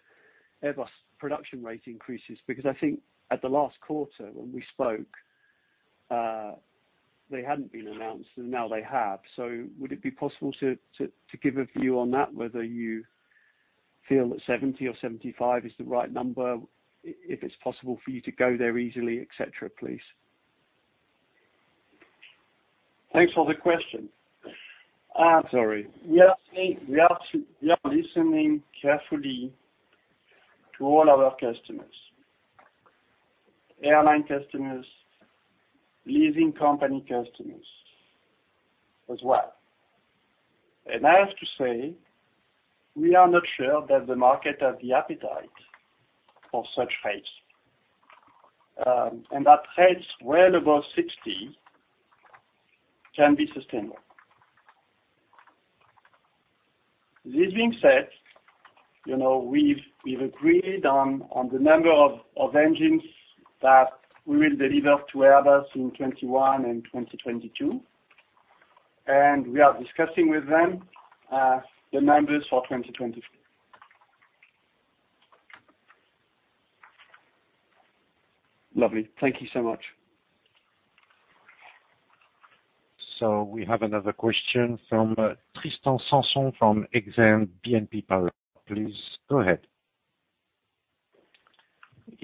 Airbus production rate increases, because I think at the last quarter when we spoke, they hadn't been announced, and now they have. Would it be possible to give a view on that, whether you feel that 70 or 75 is the right number, if it's possible for you to go there easily, et cetera, please?
Thanks for the question.
Sorry.
We are listening carefully to all our customers, airline customers, leasing company customers as well. I have to say, we are not sure that the market has the appetite for such rates, and that rates well above 60 can be sustainable. This being said, we've agreed on the number of engines that we will deliver to Airbus in 2021 and 2022, we are discussing with them the numbers for 2023.
Lovely. Thank you so much.
We have another question from Tristan Sanson from Exane BNP Paribas. Please go ahead.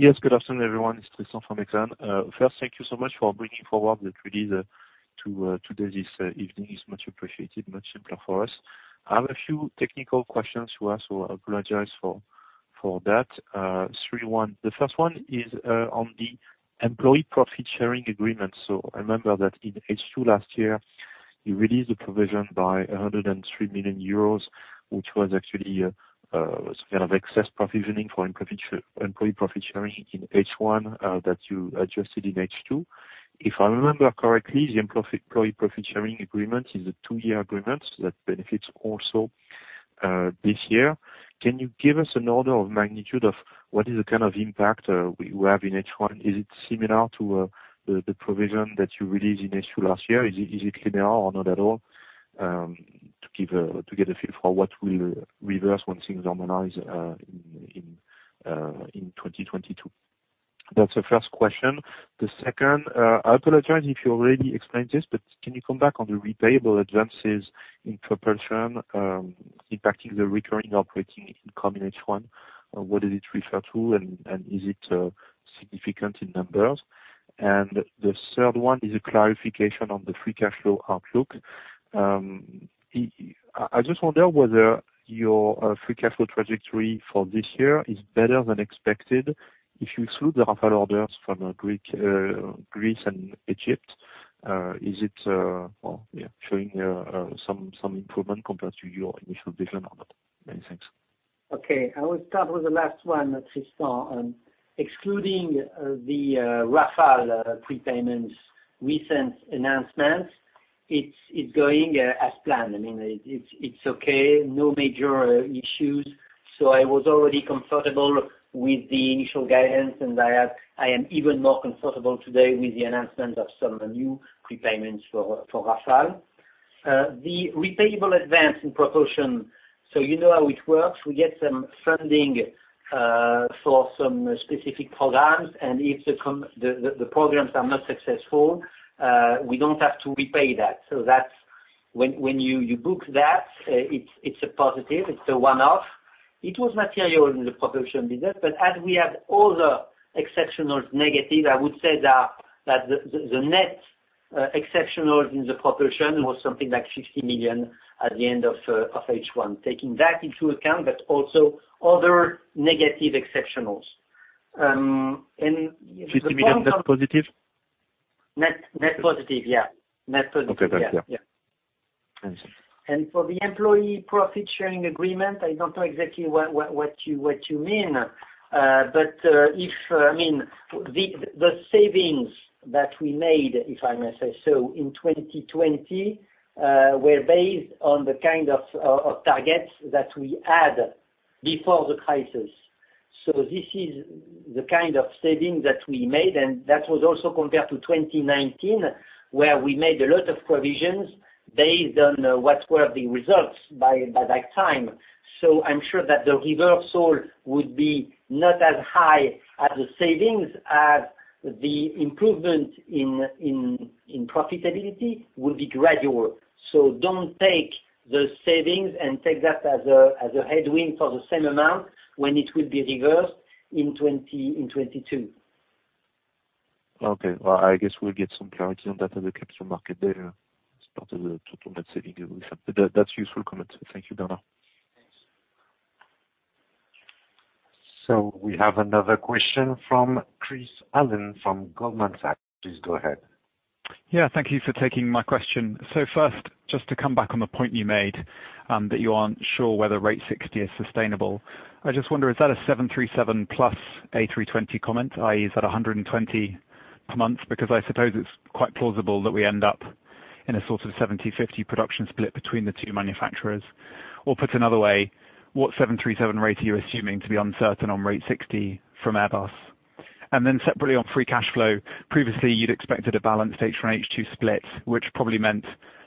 Yes. Good afternoon, everyone. It's Tristan from Exane. First, thank you so much for bringing forward the release to today, this evening. It's much appreciated. Much simpler for us. I have a few technical questions to ask, so I apologize for that. Three ones. The first one is on the employee profit-sharing agreement. I remember that in H2 last year, you released a provision by 103 million euros, which was actually some kind of excess provisioning for employee profit-sharing in H1 that you adjusted in H2. If I remember correctly, the employee profit-sharing agreement is a two-year agreement that benefits also this year. Can you give us an order of magnitude of what is the kind of impact we have in H1? Is it similar to the provision that you released in H2 last year? Is it linear or not at all? To get a feel for what will reverse once things normalize in 2022. That's the first question. The second, I apologize if you already explained this, but can you come back on the repayable advances in propulsion impacting the recurring operating income in H1? What does it refer to, and is it significant in numbers? The third one is a clarification on the free cash flow outlook. I just wonder whether your free cash flow trajectory for this year is better than expected if you exclude the Rafale orders from Greece and Egypt. Is it showing some improvement compared to your initial vision or not? Many thanks.
I will start with the last one, Tristan. Excluding the Rafale prepayments recent announcements, it's going as planned. It's okay. No major issues. I was already comfortable with the initial guidance, and I am even more comfortable today with the announcement of some new prepayments for Rafale. The repayable advance in propulsion, you know how it works. We get some funding for some specific programs, and if the programs are not successful, we don't have to repay that. When you book that, it's a positive, it's a one-off. It was material in the propulsion business, as we have other exceptional negatives, I would say that the net exceptional in the propulsion was something like 60 million at the end of H1. Taking that into account, also other negative exceptionals.
EUR 60 million net positive?
Net positive, yeah.
Okay. Thanks. Yeah.
Yeah.
Thanks.
For the employee profit-sharing agreement, I don't know exactly what you mean. The savings that we made, if I may say so, in 2020, were based on the kind of targets that we had before the crisis. This is the kind of savings that we made, and that was also compared to 2019, where we made a lot of provisions based on what were the results by that time. I'm sure that the reversal would be not as high as the savings, as the improvement in profitability will be gradual. Don't take the savings and take that as a headwind for the same amount when it will be reversed in 2022.
Okay. Well, I guess we'll get some clarity on that at the capital market day as part of the total net savings. That's a useful comment. Thank you, Bernard.
We have another question from Chris Hallam from Goldman Sachs. Please go ahead.
Thank you for taking my question. First, just to come back on the point you made, that you aren't sure whether rate 60 is sustainable. I just wonder, is that a 737+ A320 comment, i.e., is that 120 months? I suppose it's quite plausible that we end up in a sort of 70/50 production split between the two manufacturers. Put another way, what 737 rate are you assuming to be uncertain on rate 60 from Airbus? Separately on free cash flow, previously you'd expected a balanced H1 H2 split, which probably meant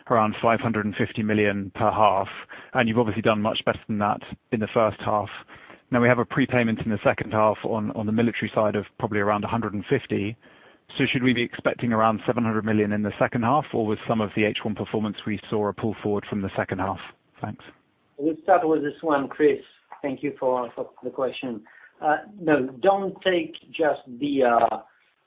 around 550 million per half, you've obviously done much better than that in the first half. Now we have a prepayment in the second half on the military side of probably around 150. Should we be expecting around 700 million in the second half, or with some of the H1 performance we saw a pull forward from the second half? Thanks.
We'll start with this one, Chris. Thank you for the question. No, don't take just the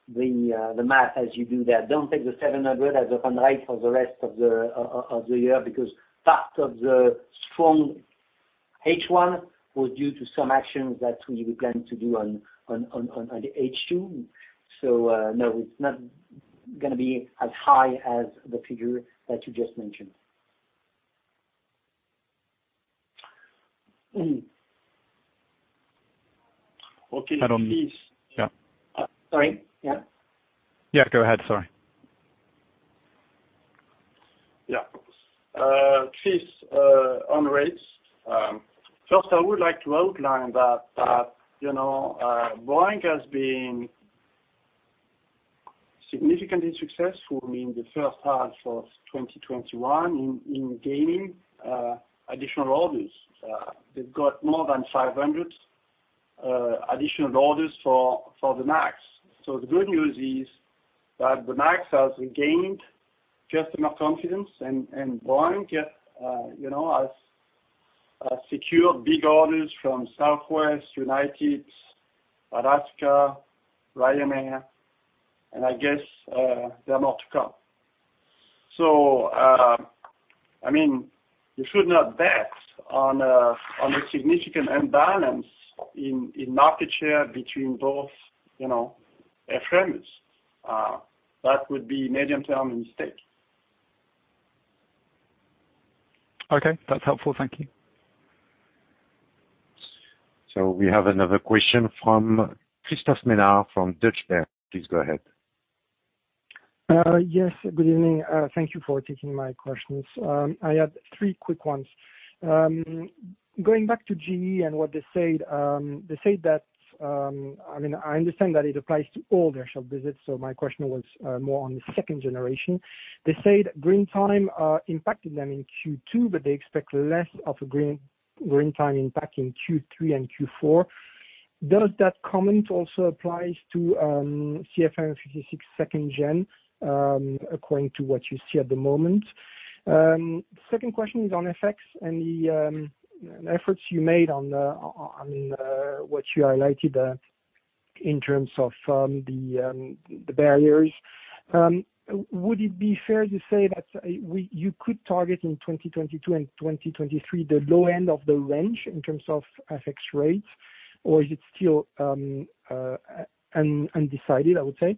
math as you do that. Don't take the 700 as run rate for the rest of the year, because part of the strong H1 was due to some actions that we were planning to do on the H2. No, it's not going to be as high as the figure that you just mentioned.
Okay.
And on-
Please.
Yeah.
Sorry. Yeah?
Yeah, go ahead. Sorry.
Yeah. Chris, on rates. First I would like to outline that Boeing has been significantly successful in the first half of 2021 in gaining additional orders. They've got more than 500 additional orders for the MAX. The good news is that the MAX has regained customer confidence and Boeing has secured big orders from Southwest, United, Alaska, Ryanair, and I guess there are more to come. You should not bet on a significant imbalance in market share between both airframes. That would be medium term mistake.
Okay, that's helpful. Thank you.
We have another question from Christophe Menard from Deutsche Bank. Please go ahead.
Yes, good evening. Thank you for taking my questions. I had three quick ones. Going back to GE and what they said. They said I understand that it applies to all their shop visits, so my question was more on the 2nd generation. They said green time impacted them in Q2, but they expect less of a green time impact in Q3 and Q4. Does that comment also applies to CFM56 2nd gen, according to what you see at the moment? Second question is on FX and the efforts you made on what you highlighted in terms of the barriers. Would it be fair to say that you could target in 2022 and 2023 the low end of the range in terms of FX rates? Is it still undecided, I would say?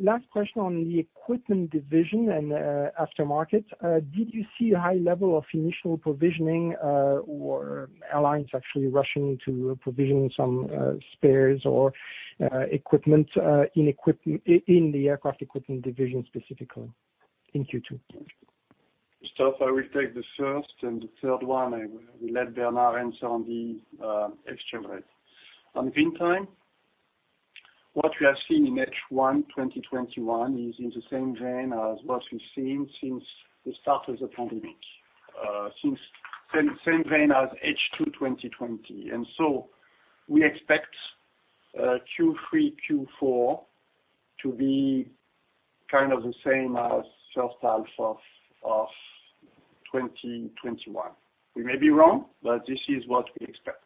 Last question on the equipment division and aftermarket. Did you see a high level of Initial Provisioning or airlines actually rushing to provision some spares or equipment in the aircraft equipment division specifically in Q2?
Christophe, I will take the first and the third one, I will let Bernard answer on the exchange rate. On green time, what we have seen in H1 2021 is in the same vein as what we've seen since the start of the pandemic. Same vein as H2 2020. We expect Q3, Q4 to be kind of the same as first half of 2021. We may be wrong, but this is what we expect.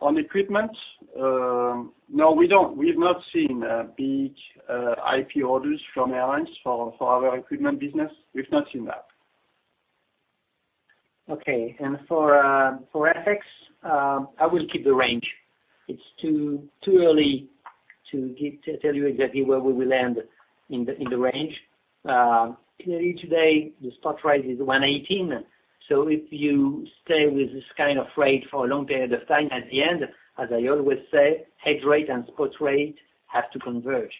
On equipment, no we don't. We've not seen big IP orders from airlines for our equipment business. We've not seen that.
Okay. For FX, I will keep the range. It's too early to tell you exactly where we will end in the range. Clearly today, the spot rate is $118, so if you stay with this kind of rate for a long period of time, at the end, as I always say, hedge rate and spot rate have to converge.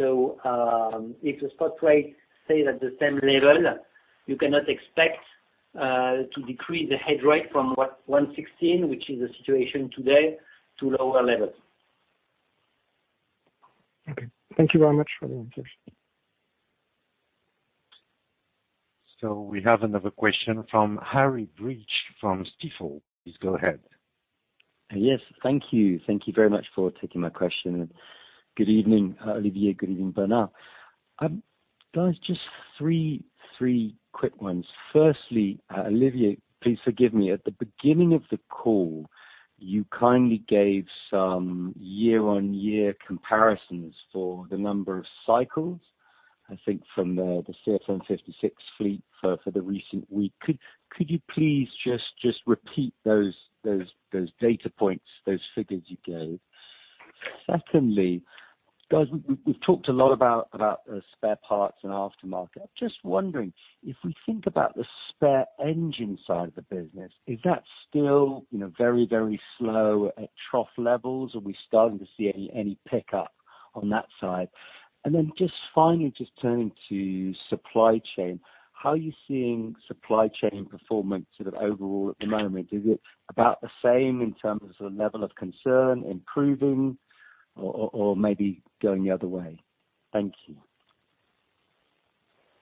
If the spot rate stays at the same level, you cannot expect to decrease the hedge rate from what $116, which is the situation today, to lower levels.
Okay. Thank you very much for the answers.
We have another question from Harry Breach from Stifel. Please go ahead.
Yes. Thank you. Thank you very much for taking my question. Good evening, Olivier. Good evening, Bernard. Guys, just three quick ones. Firstly, Olivier, please forgive me. At the beginning of the call, you kindly gave some year-on-year comparisons for the number of cycles, I think from the CFM56 fleet for the recent week. Could you please just repeat those data points, those figures you gave? Secondly, guys, we've talked a lot about spare parts and aftermarket. Just wondering, if we think about the spare engine side of the business, is that still very slow at trough levels? Are we starting to see any pickup on that side? Finally, just turning to supply chain, how are you seeing supply chain performance sort of overall at the moment? Is it about the same in terms of sort of level of concern, improving, or maybe going the other way? Thank you.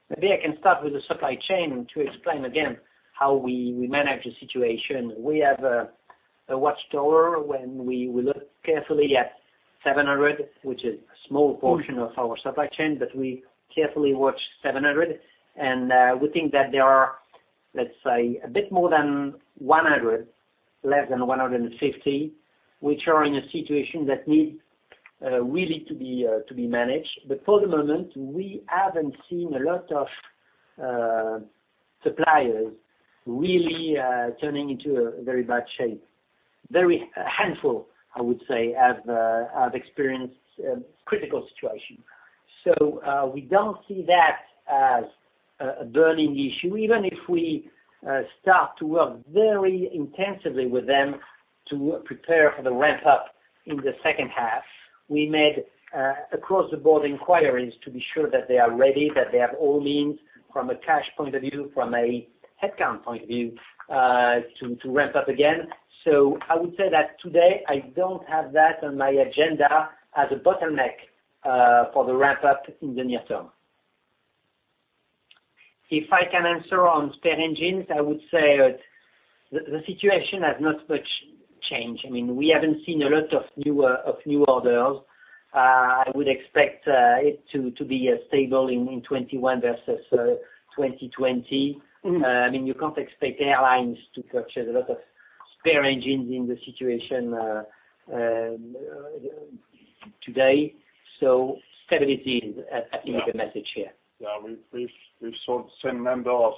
Maybe I can start with the supply chain and to explain again how we manage the situation. We have a watchtower when we look carefully at 700, which is a small portion of our supply chain, but we carefully watch 700, and we think that there are, let's say, a bit more than 100, less than 150, which are in a situation that need really to be managed. For the moment, we haven't seen a lot of suppliers really turning into a very bad shape. Very handful, I would say, have experienced critical situation. We don't see that as a burning issue, even if we start to work very intensively with them to prepare for the ramp-up in the second half. We made across-the-board inquiries to be sure that they are ready, that they have all means from a cash point of view, from a headcount point of view, to ramp up again. I would say that today, I don't have that on my agenda as a bottleneck for the ramp up in the near term. If I can answer on spare engines, I would say the situation has not much changed. We haven't seen a lot of new orders. I would expect it to be stable in 2021 versus 2020. You can't expect airlines to purchase a lot of spare engines in the situation today. Stability is the message here.
Yeah. We've sold the same number of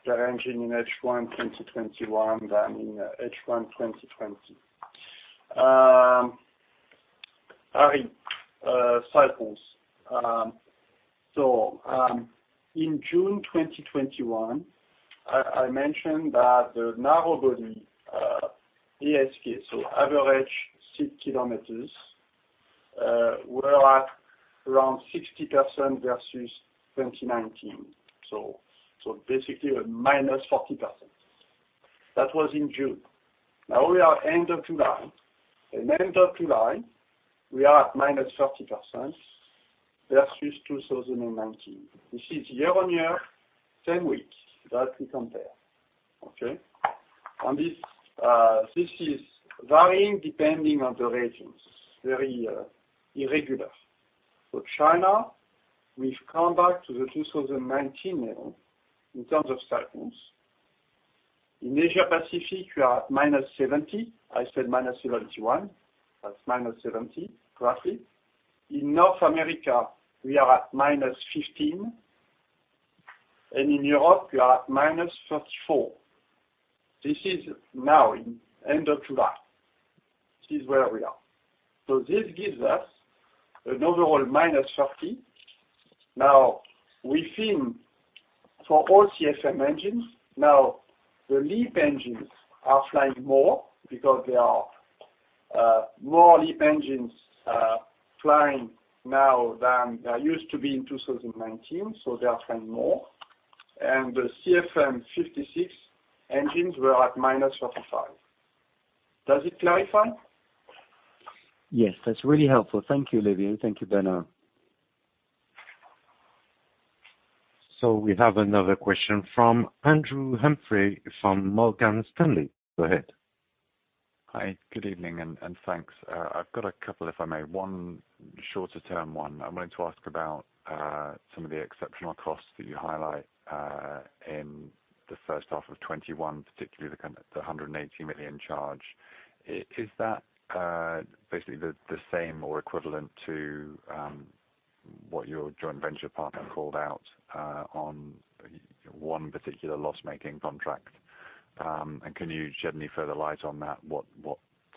spare engine in H1 2021 than in H1 2020. Cycles. In June 2021, I mentioned that the narrow-body ASK, so average seat kilometers were at around 60% versus 2019. Basically a -40%. That was in June. Now we are end of July. In end of July, we are at -30% versus 2019. This is year-on-year, same week that we compare. Okay? This is varying depending on the regions. Very irregular. China, we've come back to the 2019 level in terms of cycles. In Asia Pacific, we are at -70%. I said -71%. That's -70%, roughly. In North America, we are at -15%, and in Europe we are at -34%. This is now in end of July. This is where we are. This gives us an overall -30%. We think for all CFM engines, the LEAP engines are flying more because there are more LEAP engines flying now than there used to be in 2019, so they are flying more. The CFM56 engines were at -45%. Does it clarify?
Yes, that's really helpful. Thank you, Olivier. Thank you, Bernard.
We have another question from Andrew Humphrey from Morgan Stanley. Go ahead.
Hi, good evening, and thanks. I've got a couple, if I may. One shorter term one. I'm wanting to ask about some of the exceptional costs that you highlight in the first half of 2021, particularly the 180 million charge. Is that basically the same or equivalent to what your joint venture partner called out on one particular loss-making contract? Can you shed any further light on that, what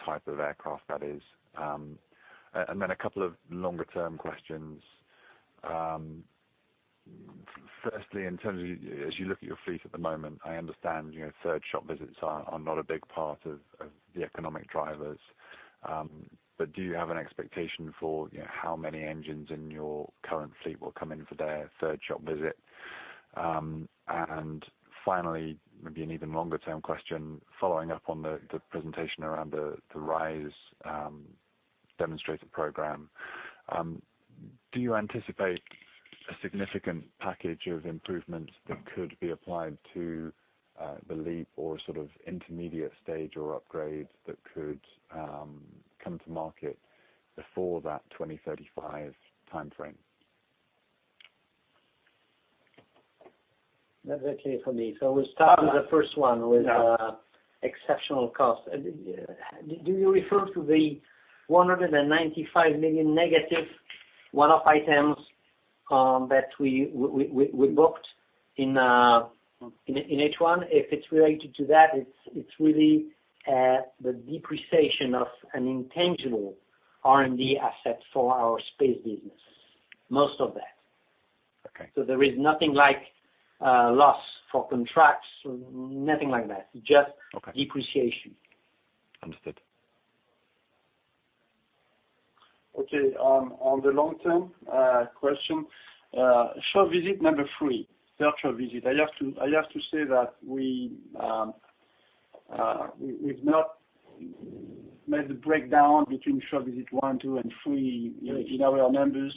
type of aircraft that is? A couple of longer term questions. Firstly, in terms of as you look at your fleet at the moment, I understand third shop visits are not a big part of the economic drivers, but do you have an expectation for how many engines in your current fleet will come in for their third shop visit? Finally, maybe an even longer-term question following up on the presentation around the RISE demonstrator program. Do you anticipate a significant package of improvements that could be applied to the LEAP or sort of intermediate stage or upgrades that could come to market before that 2035 timeframe?
That's okay for me. We'll start with the first one with exceptional cost. Do you refer to the 195 million- one-off items that we booked in H1? If it's related to that, it's really the depreciation of an intangible R&D asset for our space business. Most of that.
Okay.
There is nothing like loss for contracts, nothing like that.
Okay.
Just depreciation.
Understood.
Okay. On the long-term question, shop visit number three, third shop visit. I have to say that we've not made the breakdown between shop visit one, two, and three in our numbers.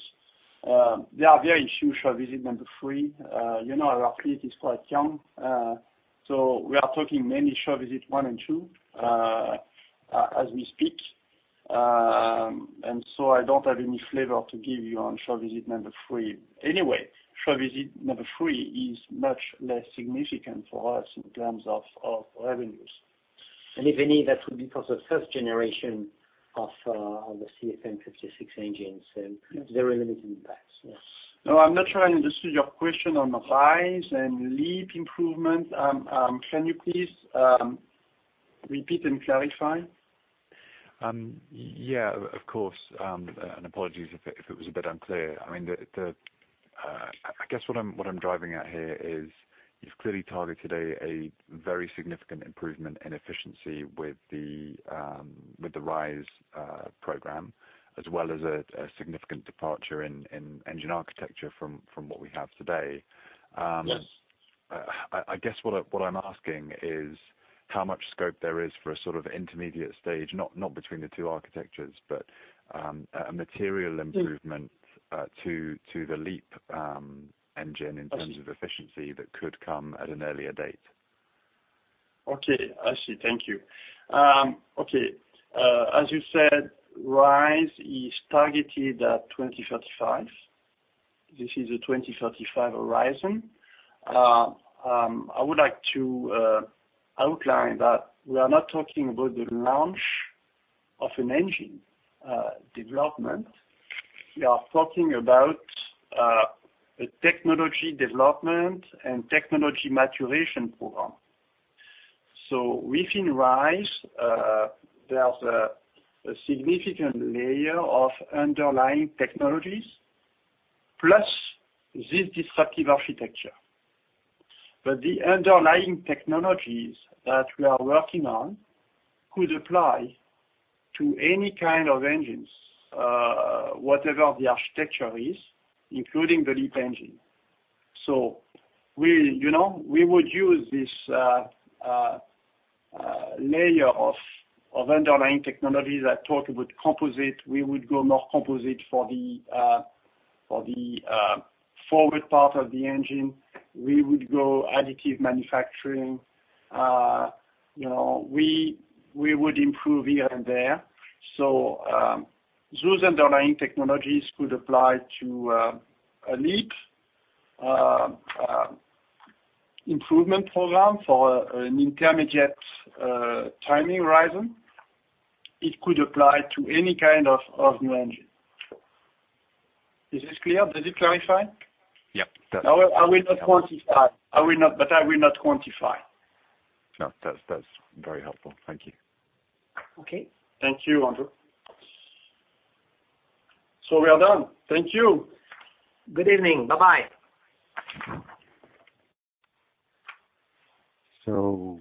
They are very few shop visit number three. Our fleet is quite young. We are talking mainly shop visit one and two, as we speak. I don't have any flavor to give you on shop visit number three. Anyway, shop visit number three is much less significant for us in terms of revenues.
If any, that would be because of 1st generation of the CFM56 engines, so very limited impact. Yes.
No, I'm not sure I understood your question on the RISE and LEAP improvements. Can you please repeat and clarify?
Yeah, of course. Apologies if it was a bit unclear. I guess what I am driving at here is you have clearly targeted a very significant improvement in efficiency with the RISE program, as well as a significant departure in engine architecture from what we have today.
Yes.
I guess what I'm asking is how much scope there is for a sort of intermediate stage, not between the two architectures, but a material improvement to the LEAP engine in terms of efficiency that could come at an earlier date.
Okay. I see. Thank you. Okay. As you said, RISE is targeted at 2035. This is a 2035 horizon. I would like to outline that we are not talking about the launch of an engine development. We are talking about a technology development and technology maturation program. Within RISE, there's a significant layer of underlying technologies, plus this disruptive architecture. The underlying technologies that we are working on could apply to any kind of engines, whatever the architecture is, including the LEAP engine. We would use this layer of underlying technologies. I talk about composite, we would go more composite for the forward part of the engine. We would go additive manufacturing. We would improve here and there. Those underlying technologies could apply to a LEAP improvement program for an intermediate timing horizon. It could apply to any kind of new engine. Is this clear? Does it clarify?
Yeah.
I will not quantify.
No, that's very helpful. Thank you.
Okay.
Thank you, Andrew. We are done. Thank you.
Good evening. Bye-bye.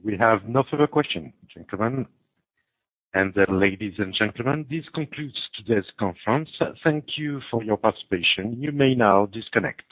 We have no further question. Gentlemen and ladies and gentlemen, this concludes today's conference. Thank you for your participation. You may now disconnect.